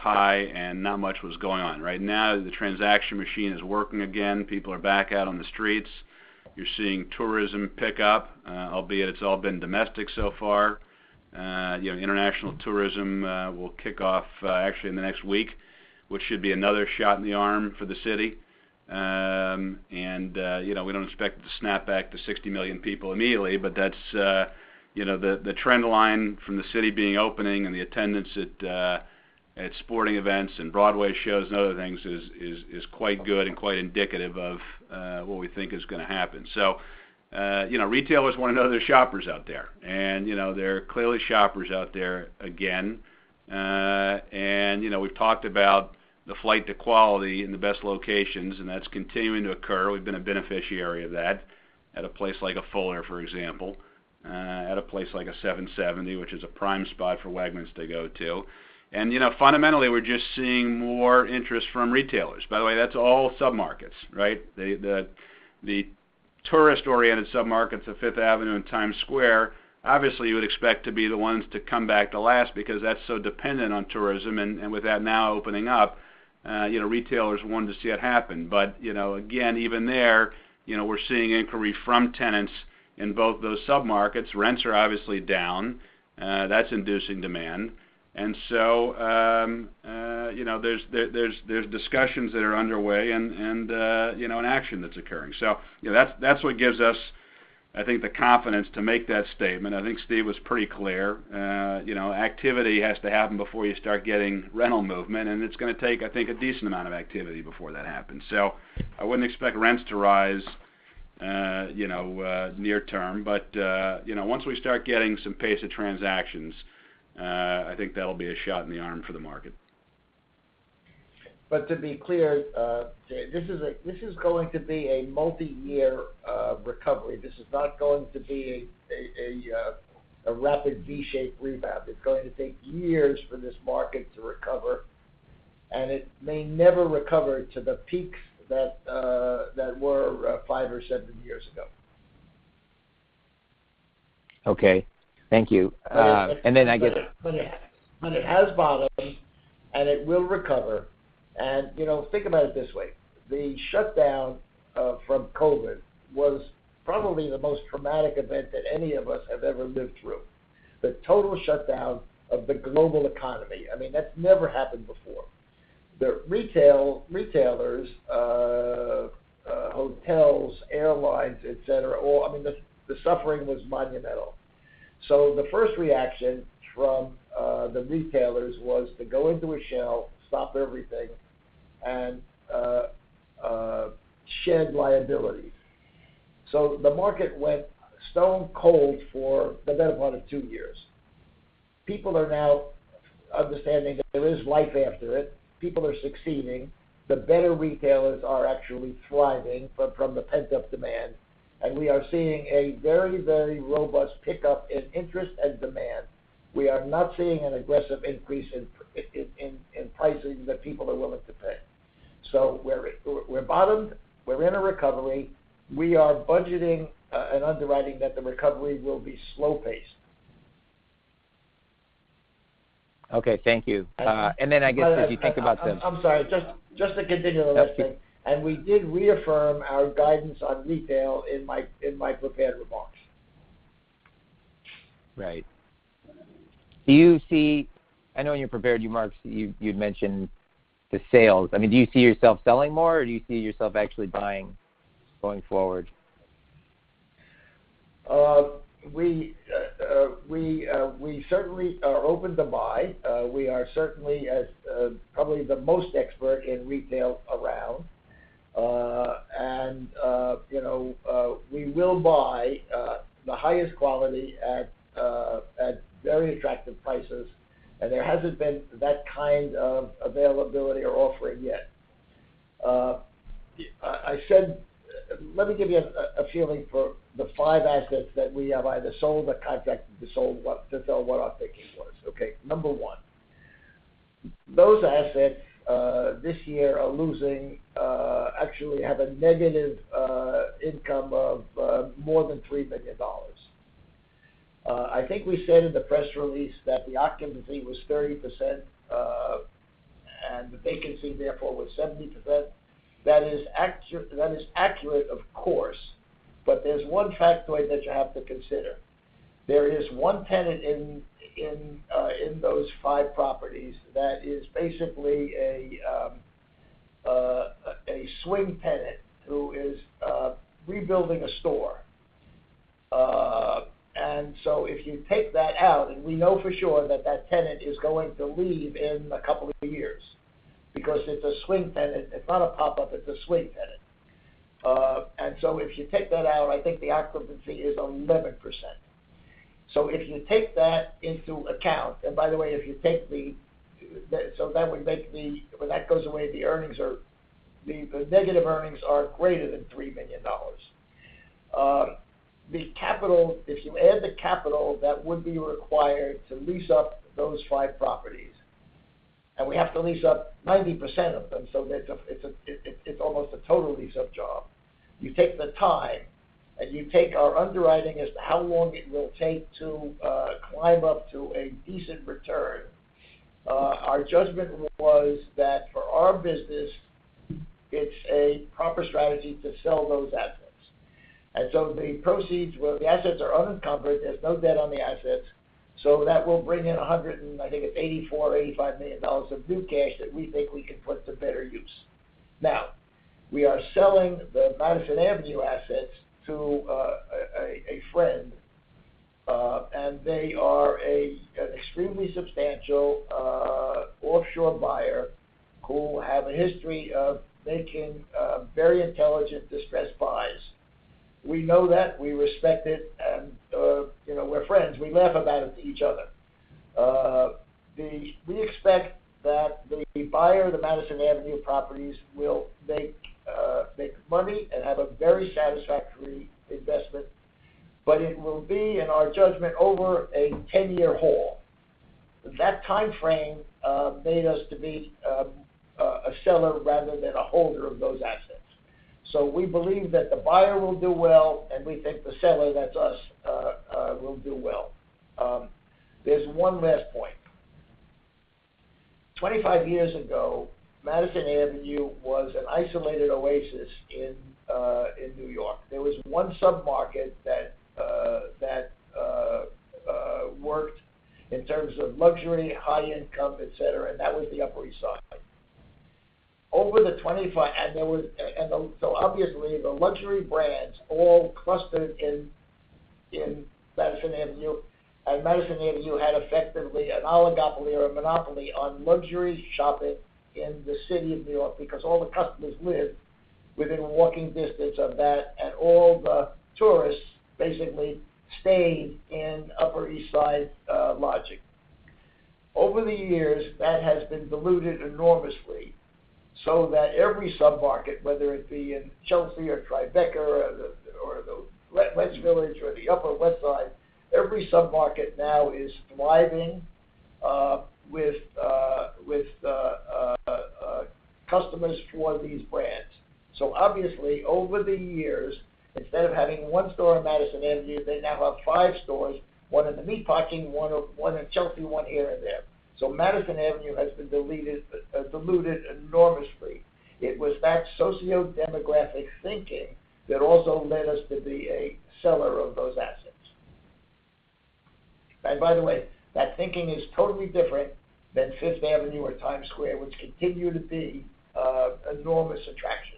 high, and not much was going on. Right now, the transaction machine is working again. People are back out on the streets. You're seeing tourism pick up, albeit it's all been domestic so far. You know, international tourism will kick off actually in the next week, which should be another shot in the arm for the city. You know, we don't expect it to snap back to 60 million people immediately, but that's you know, the trend line from the city being open and the attendance at sporting events and Broadway shows and other things is quite good and quite indicative of what we think is gonna happen. You know, retailers wanna know there are shoppers out there. You know, there are clearly shoppers out there again. You know, we've talked about the flight to quality and the best locations, and that's continuing to occur. We've been a beneficiary of that at a place like a Fuller, for example, at a place like a 770, which is a prime spot for Wegmans to go to. You know, fundamentally, we're just seeing more interest from retailers. By the way, that's all submarkets, right? The tourist-oriented submarkets of Fifth Avenue and Times Square, obviously you would expect to be the ones to come back to last because that's so dependent on tourism. With that now opening up, you know, retailers wanting to see it happen. You know, again, even there, you know, we're seeing inquiry from tenants in both those submarkets. Rents are obviously down. That's inducing demand. You know, there's discussions that are underway and you know, an action that's occurring. You know, that's what gives us, I think, the confidence to make that statement. I think Steve was pretty clear. You know, activity has to happen before you start getting rental movement, and it's gonna take, I think, a decent amount of activity before that happens. I wouldn't expect rents to rise, you know, near term. You know, once we start getting some pace of transactions, I think that'll be a shot in the arm for the market. To be clear, this is going to be a multiyear recovery. This is not going to be a rapid V-shaped rebound. It's going to take years for this market to recover, and it may never recover to the peaks that were five or seven years ago. Okay. Thank you. I guess. It has bottomed, and it will recover. You know, think about it this way: the shutdown from COVID was probably the most traumatic event that any of us have ever lived through. The total shutdown of the global economy, I mean, that's never happened before. Retailers, hotels, airlines, et cetera, all, I mean, the suffering was monumental. The first reaction from the retailers was to go into a shell, stop everything, and shed liabilities. The market went stone cold for the better part of two years. People are now understanding that there is life after it. People are succeeding. The better retailers are actually thriving from the pent-up demand, and we are seeing a very robust pickup in interest and demand. We are not seeing an aggressive increase in pricing that people are willing to pay. We're bottomed. We're in a recovery. We are budgeting, and underwriting that the recovery will be slow-paced. Okay, thank you. I guess as you think about them. I'm sorry. Just to continue on that thing. That's okay. We did reaffirm our guidance on retail in my prepared remarks. Right. Do you see, I know in your prepared remarks, you you'd mentioned the sales. I mean, do you see yourself selling more, or do you see yourself actually buying going forward? We certainly are open to buy. We are certainly probably the most expert in retail around. You know, we will buy the highest quality at very attractive prices, and there hasn't been that kind of availability or offering yet. I said. Let me give you a feeling for the five assets that we have either sold or contracted to sell, what our thinking was. Okay, number one, those assets this year actually have a negative income of more than $3 million. I think we said in the press release that the occupancy was 30%, and the vacancy therefore was 70%. That is accurate, of course, but there's one factoid that you have to consider. There is one tenant in those five properties that is basically a swing tenant who is rebuilding a store. If you take that out, and we know for sure that that tenant is going to leave in a couple of years because it's a swing tenant. It's not a pop-up, it's a swing tenant. If you take that out, I think the occupancy is 11%. If you take that into account, and by the way, when that goes away, the negative earnings are greater than $3 million. The capital, if you add the capital that would be required to lease up those five properties, and we have to lease up 90% of them, so that's almost a total lease-up job. You take the time, and you take our underwriting as to how long it will take to climb up to a decent return. Our judgment was that for our business, it's a proper strategy to sell those assets. The proceeds, where the assets are unencumbered, there's no debt on the assets. That will bring in $184-$185 million of new cash that we think we can put to better use. Now, we are selling the Madison Avenue assets to a friend, and they are an extremely substantial offshore buyer who have a history of making very intelligent distressed buys. We know that, we respect it and, you know, we're friends. We laugh about it to each other. We expect that the buyer of the Madison Avenue properties will make money and have a very satisfactory investment, but it will be, in our judgment, over a 10-year haul. That timeframe made us to be a seller rather than a holder of those assets. We believe that the buyer will do well, and we think the seller, that's us, will do well. There's one last point. 25 years ago, Madison Avenue was an isolated oasis in New York. There was one submarket that worked in terms of luxury, high income, et cetera, and that was the Upper East Side. Obviously, the luxury brands all clustered in Madison Avenue, and Madison Avenue had effectively an oligopoly or a monopoly on luxury shopping in the city of New York because all the customers lived within walking distance of that, and all the tourists basically stayed in Upper East Side lodging. Over the years, that has been diluted enormously so that every submarket, whether it be in Chelsea or Tribeca or the West Village or the Upper West Side, every submarket now is thriving with customers for these brands. Obviously, over the years, instead of having one store on Madison Avenue, they now have five stores, one in the Meatpacking, one in Chelsea, one here and there. Madison Avenue has been deleted, diluted enormously. It was that socio-demographic thinking that also led us to be a seller of those assets. By the way, that thinking is totally different than Fifth Avenue or Times Square, which continue to be enormous attractions.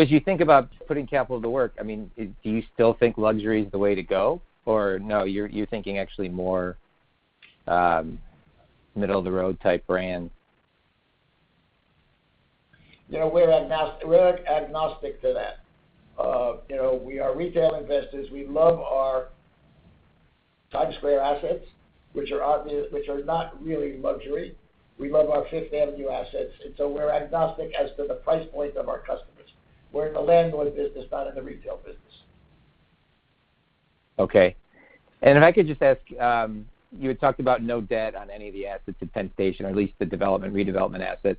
As you think about putting capital to work, I mean, do you still think luxury is the way to go? Or no, you're thinking actually more middle-of-the-road type brand? You know, we're agnostic to that. You know, we are retail investors. We love our Times Square assets, which are not really luxury. We love our Fifth Avenue assets. We're agnostic as to the price point of our customers. We're in the landlord business, not in the retail business. Okay. If I could just ask, you had talked about no debt on any of the assets at Penn Station, or at least the development, redevelopment assets.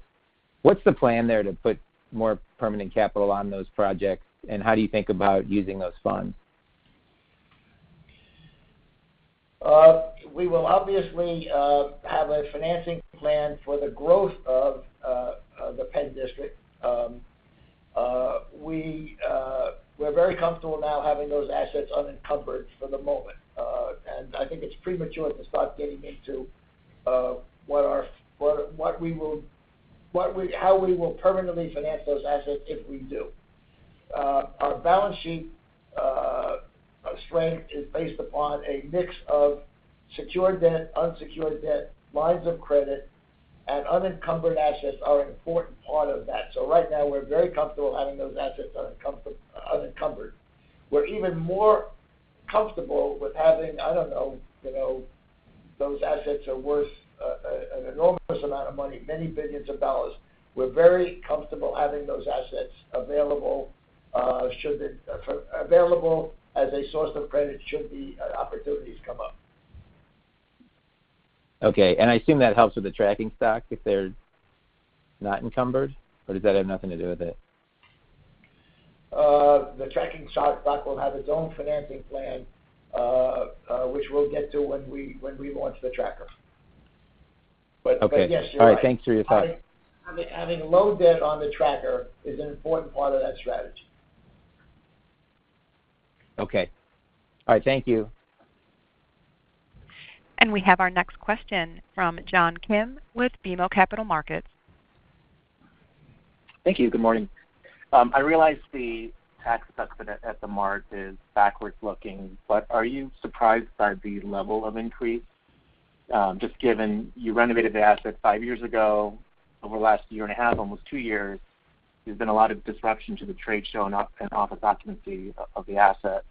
What's the plan there to put more permanent capital on those projects, and how do you think about using those funds? We will obviously have a financing plan for the growth of the Penn District. We're very comfortable now having those assets unencumbered for the moment. I think it's premature to start getting into how we will permanently finance those assets if we do. Our balance sheet strength is based upon a mix of secured debt, unsecured debt, lines of credit, and unencumbered assets are an important part of that. Right now, we're very comfortable having those assets unencumbered. We're even more comfortable with having, I don't know, you know, those assets are worth an enormous amount of money, many billions of dollars. We're very comfortable having those assets available as a source of credit should the opportunities come up. Okay. I assume that helps with the tracking stock if they're not encumbered, or does that have nothing to do with it? The tracking stock will have its own financing plan, which we'll get to when we launch the tracker. But Okay. Yes, you're right. All right. Thanks for your time. Having low debt on the tracker is an important part of that strategy. Okay. All right, thank you. We have our next question from John Kim with BMO Capital Markets. Thank you. Good morning. I realize the tax benefit at the margin is backwards looking, but are you surprised by the level of increase? Just given you renovated the asset five years ago. Over the last year and a half, almost two years, there's been a lot of disruption to the trade show and office occupancy of the asset.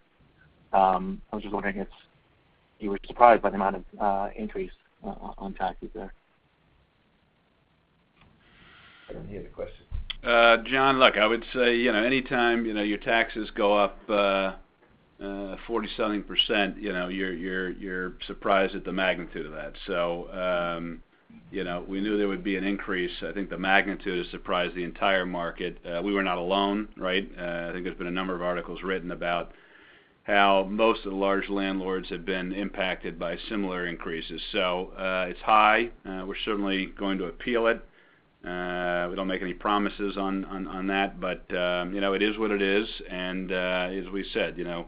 I was just wondering if you were surprised by the amount of increase on taxes there. I didn't hear the question. John, look, I would say, you know, anytime, you know, your taxes go up 40-something%, you know, you're surprised at the magnitude of that. We knew there would be an increase. I think the magnitude surprised the entire market. We were not alone, right? I think there's been a number of articles written about how most of the large landlords have been impacted by similar increases. It's high. We're certainly going to appeal it. We don't make any promises on that, but, you know, it is what it is. As we said, you know,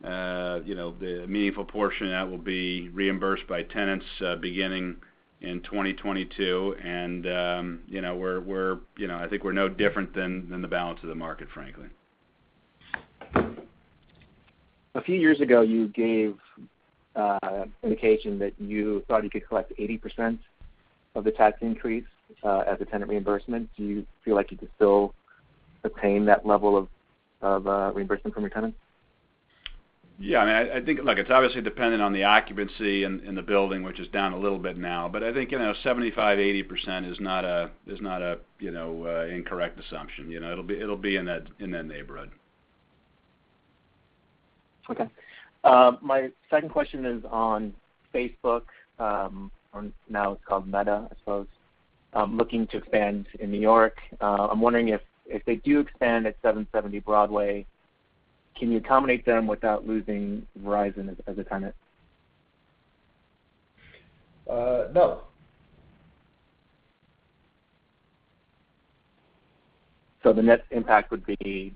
the meaningful portion of that will be reimbursed by tenants, beginning in 2022. You know, we're you know, I think we're no different than the balance of the market, frankly. A few years ago, you gave indication that you thought you could collect 80% of the tax increase as a tenant reimbursement. Do you feel like you could still attain that level of reimbursement from your tenants? Yeah. I mean, I think. Look, it's obviously dependent on the occupancy in the building, which is down a little bit now. I think, you know, 75%-80% is not a incorrect assumption. You know, it'll be in that neighborhood. Okay. My second question is on Facebook, or now it's called Meta, I suppose, looking to expand in New York. I'm wondering if they do expand at 770 Broadway, can you accommodate them without losing Verizon as a tenant? No. The net impact would be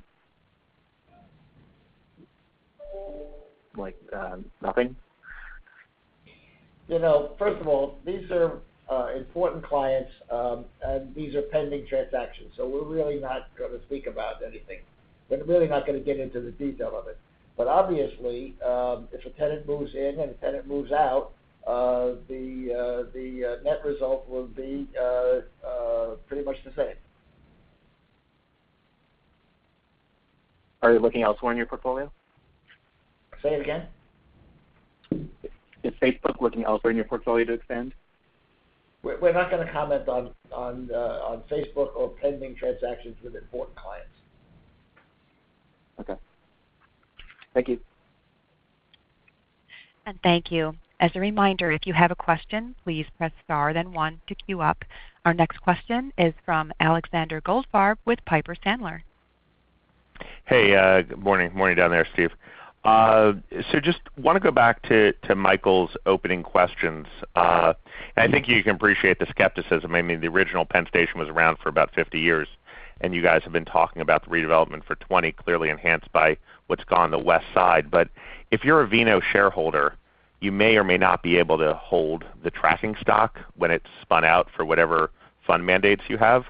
like, nothing? You know, first of all, these are important clients, and these are pending transactions, so we're really not gonna speak about anything. We're really not gonna get into the detail of it. Obviously, if a tenant moves in and a tenant moves out, the net result will be pretty much the same. Are they looking elsewhere in your portfolio? Say it again. Is Facebook looking elsewhere in your portfolio to expand? We're not gonna comment on Facebook or pending transactions with important clients. Okay. Thank you. Thank you. As a reminder, if you have a question, please press star then one to queue up. Our next question is from Alexander Goldfarb with Piper Sandler. Hey, good morning. Morning down there, Steve. So just wanna go back to Michael's opening questions. I think you can appreciate the skepticism. I mean, the original Penn Station was around for about 50 years, and you guys have been talking about the redevelopment for 20, clearly enhanced by what's gone on the west side. If you're a VNO shareholder, you may or may not be able to hold the tracking stock when it's spun out for whatever fund mandates you have.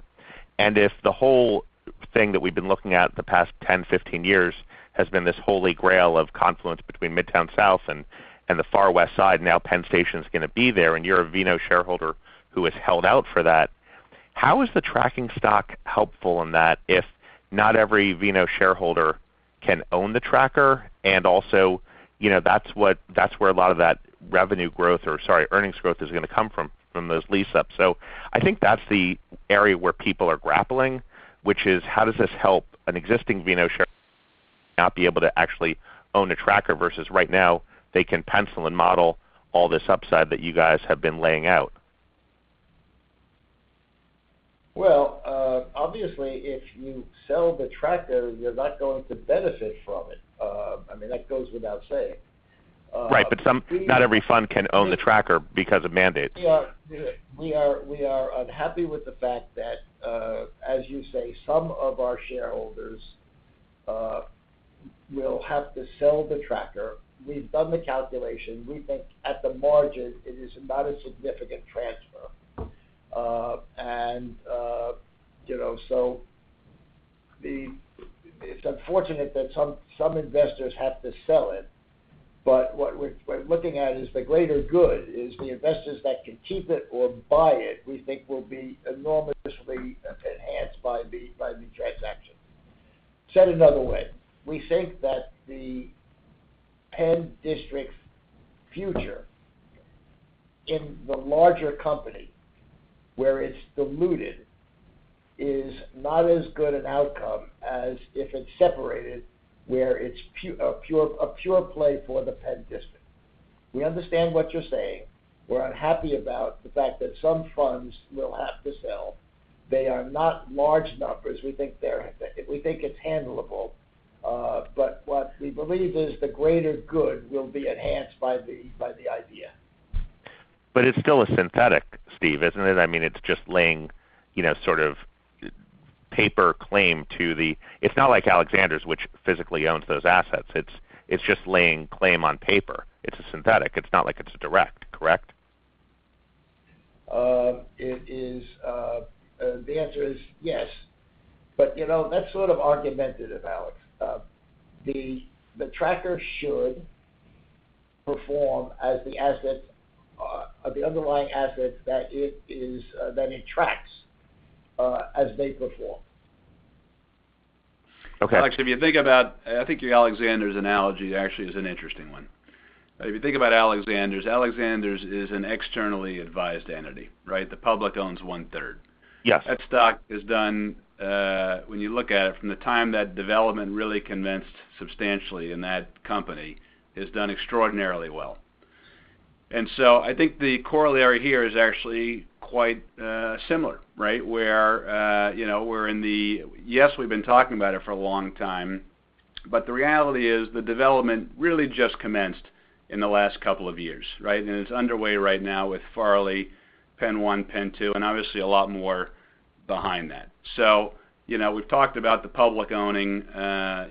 If the whole thing that we've been looking at the past 10, 15 years has been this holy grail of confluence between Midtown South and the far West Side, now Penn Station's gonna be there, and you're a VNO shareholder who has held out for that. How is the tracking stock helpful in that if not every VNO shareholder can own the tracker? You know, that's where a lot of that revenue growth or, sorry, earnings growth is gonna come from those lease-ups. I think that's the area where people are grappling, which is how does this help an existing VNO shareholder not be able to actually own a tracker versus right now they can pencil and model all this upside that you guys have been laying out? Well, obviously, if you sell the tracker, you're not going to benefit from it. I mean, that goes without saying. Right. Not every fund can own the tracker because of mandates. We are unhappy with the fact that, as you say, some of our shareholders will have to sell the tracker. We've done the calculation. We think at the margin, it is not a significant transfer. You know, it's unfortunate that some investors have to sell it, but what we're looking at is the greater good, is the investors that can keep it or buy it, we think will be enormously enhanced by the transaction. Said another way, we think that the Penn District's future in the larger company, where it's diluted, is not as good an outcome as if it's separated, where it's a pure play for the Penn District. We understand what you're saying. We're unhappy about the fact that some funds will have to sell. They are not large numbers. We think it's handleable. But what we believe is the greater good will be enhanced by the idea. It's still a synthetic, Steve, isn't it? I mean, it's just laying, you know, sort of paper claim to the. It's not like Alexander's, which physically owns those assets. It's just laying claim on paper. It's a synthetic. It's not like it's direct, correct? The answer is yes. You know, that's sort of argumentative, Alex. The tracker should perform as the asset, the underlying asset that it is, that it tracks, as they perform. Okay. Alex, if you think about, I think your Alexander's analogy actually is an interesting one. If you think about Alexander's is an externally advised entity, right? The public owns one-third. Yes. That stock has done, when you look at it, from the time that development really commenced substantially in that company, has done extraordinarily well. I think the corollary here is actually quite similar, right? Where, you know, we're in the yes, we've been talking about it for a long time, but the reality is the development really just commenced in the last couple of years, right? It's underway right now with Farley, Penn One, Penn Two, and obviously a lot more behind that. So, you know, we've talked about the public owning,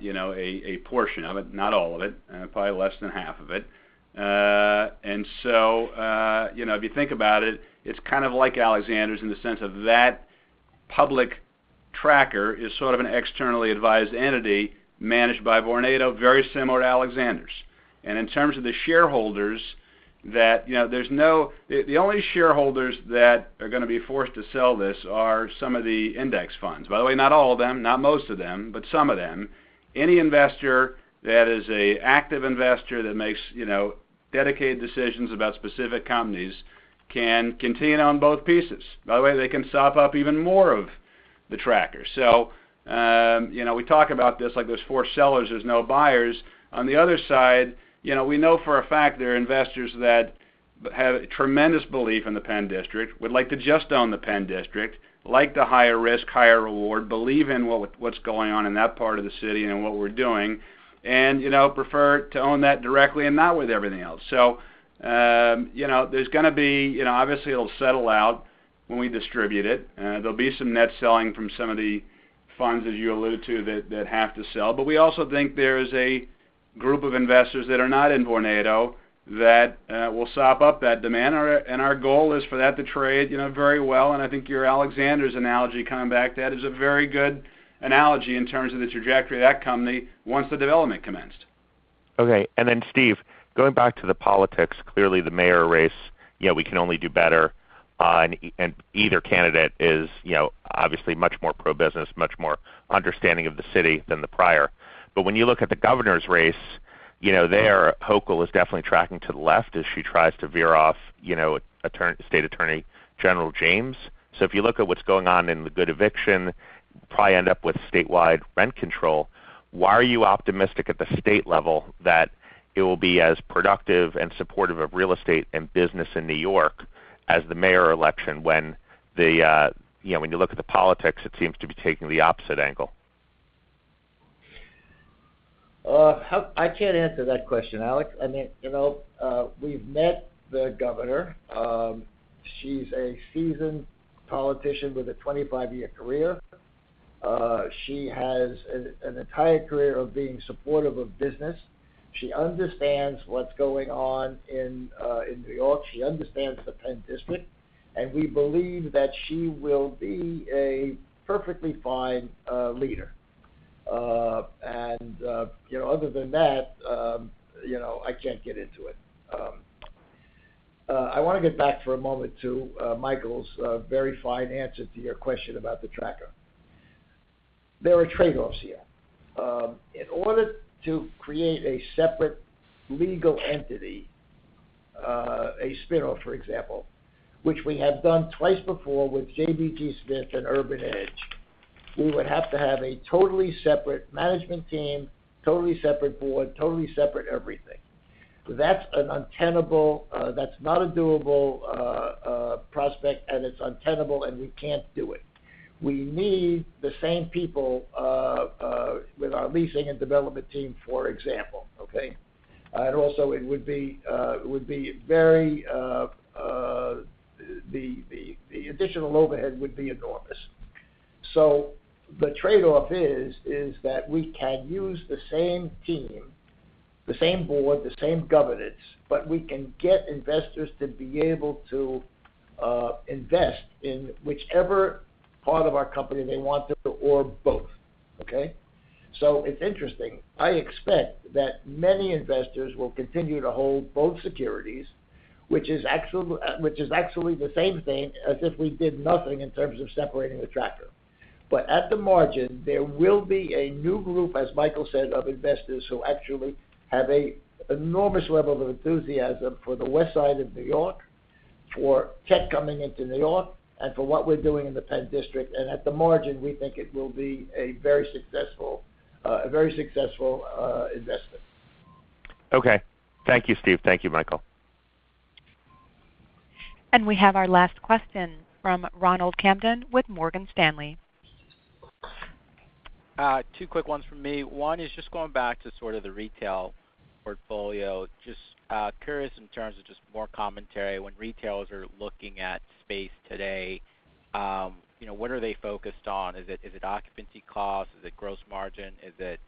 you know, a portion of it, not all of it, probably less than half of it. You know, if you think about it's kind of like Alexander's in the sense of that public tracker is sort of an externally advised entity managed by Vornado, very similar to Alexander's. In terms of the shareholders that, you know, there's no. The only shareholders that are gonna be forced to sell this are some of the index funds. By the way, not all of them, not most of them, but some of them. Any investor that is a active investor that makes, you know, dedicated decisions about specific companies can continue to own both pieces. By the way, they can sop up even more of the tracker. You know, we talk about this like there's four sellers, there's no buyers. On the other side, you know, we know for a fact there are investors that have tremendous belief in the Penn District, would like to just own the Penn District, like the higher risk, higher reward, believe in what's going on in that part of the city and what we're doing, and you know, prefer to own that directly and not with everything else. You know, there's gonna be, you know, obviously it'll settle out when we distribute it. There'll be some net selling from some of the funds, as you alluded to, that have to sell. We also think there is a group of investors that are not in Vornado that will sop up that demand, or. Our goal is for that to trade, you know, very well, and I think your Alexander's analogy coming back, that is a very good analogy in terms of the trajectory of that company once the development commenced. Okay. Steve, going back to the politics, clearly the mayor's race, you know, we can only do better, and either candidate is, you know, obviously much more pro-business, much more understanding of the city than the prior. When you look at the governor's race, you know, Hochul is definitely tracking to the left as she tries to veer off, you know, Attorney General James. If you look at what's going on in the Good Cause Eviction, probably end up with statewide rent control. Why are you optimistic at the state level that it will be as productive and supportive of real estate and business in New York as the mayor's election when you know, when you look at the politics, it seems to be taking the opposite angle? I can't answer that question, Alex. I mean, you know, we've met the governor. She's a seasoned politician with a 25-year career. She has an entire career of being supportive of business. She understands what's going on in New York. She understands the Penn District, and we believe that she will be a perfectly fine leader. Other than that, you know, I can't get into it. I want to get back for a moment to Michael's very fine answer to your question about the tracker. There are trade-offs here. In order to create a separate legal entity, a spinoff, for example, which we have done twice before with JBG Smith and Urban Edge, we would have to have a totally separate management team, totally separate board, totally separate everything. That's an untenable. That's not a doable prospect, and it's untenable, and we can't do it. We need the same people with our leasing and development team, for example, okay? Also, it would be very. The additional overhead would be enormous. The trade-off is that we can use the same team, the same board, the same governance, but we can get investors to be able to invest in whichever part of our company they want to or both, okay? It's interesting. I expect that many investors will continue to hold both securities, which is actually the same thing as if we did nothing in terms of separating the tracker. at the margin, there will be a new group, as Michael said, of investors who actually have an enormous level of enthusiasm for the West Side of New York, for tech coming into New York, and for what we're doing in the Penn District. at the margin, we think it will be a very successful investment. Okay. Thank you, Steve. Thank you, Michael. We have our last question from Ronald Kamdem with Morgan Stanley. Two quick ones from me. One is just going back to sort of the retail portfolio. Just curious in terms of just more commentary, when retailers are looking at space today, you know, what are they focused on? Is it, is it occupancy costs? Is it gross margin? Is it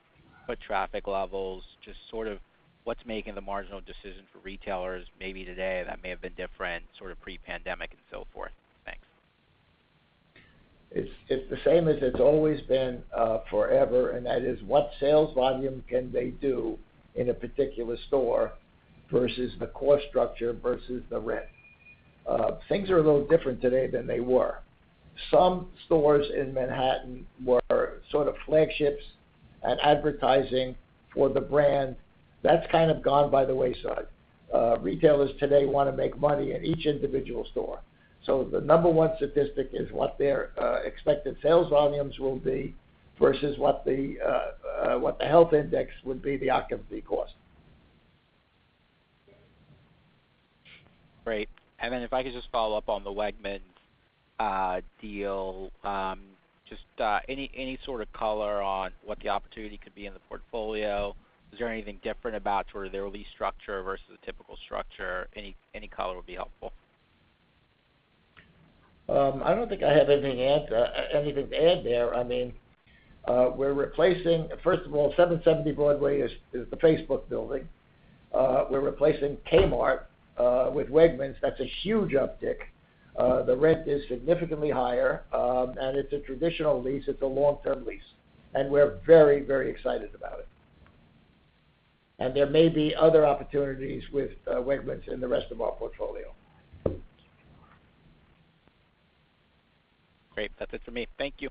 foot traffic levels? Just sort of what's making the marginal decision for retailers maybe today that may have been different sort of pre-pandemic and so forth? Thanks. It's the same as it's always been forever, and that is what sales volume can they do in a particular store versus the cost structure versus the rent. Things are a little different today than they were. Some stores in Manhattan were sort of flagships at advertising for the brand. That's kind of gone by the wayside. Retailers today wanna make money at each individual store. The number one statistic is what their expected sales volumes will be versus what the health index would be, the occupancy cost. Great. If I could just follow up on the Wegmans deal. Just any sort of color on what the opportunity could be in the portfolio? Is there anything different about sort of their lease structure versus the typical structure? Any color would be helpful. I don't think I have anything to add there. I mean, we're replacing. First of all, 770 Broadway is the Facebook building. We're replacing Kmart with Wegmans. That's a huge uptick. The rent is significantly higher, and it's a traditional lease. It's a long-term lease, and we're very, very excited about it. There may be other opportunities with Wegmans in the rest of our portfolio. Great. That's it for me. Thank you.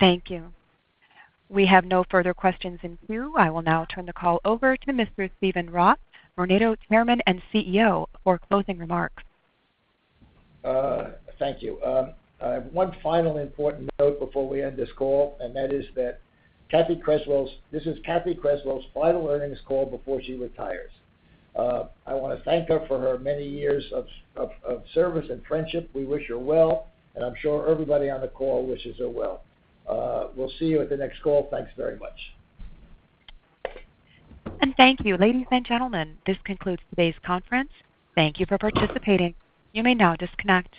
Thank you. We have no further questions in queue. I will now turn the call over to Mr. Steven Roth, Vornado Chairman and CEO, for closing remarks. Thank you. One final important note before we end this call, and that is that this is Cathy Creswell's final earnings call before she retires. I wanna thank her for her many years of service and friendship. We wish her well, and I'm sure everybody on the call wishes her well. We'll see you at the next call. Thanks very much. Thank you. Ladies and gentlemen, this concludes today's conference. Thank you for participating. You may now disconnect.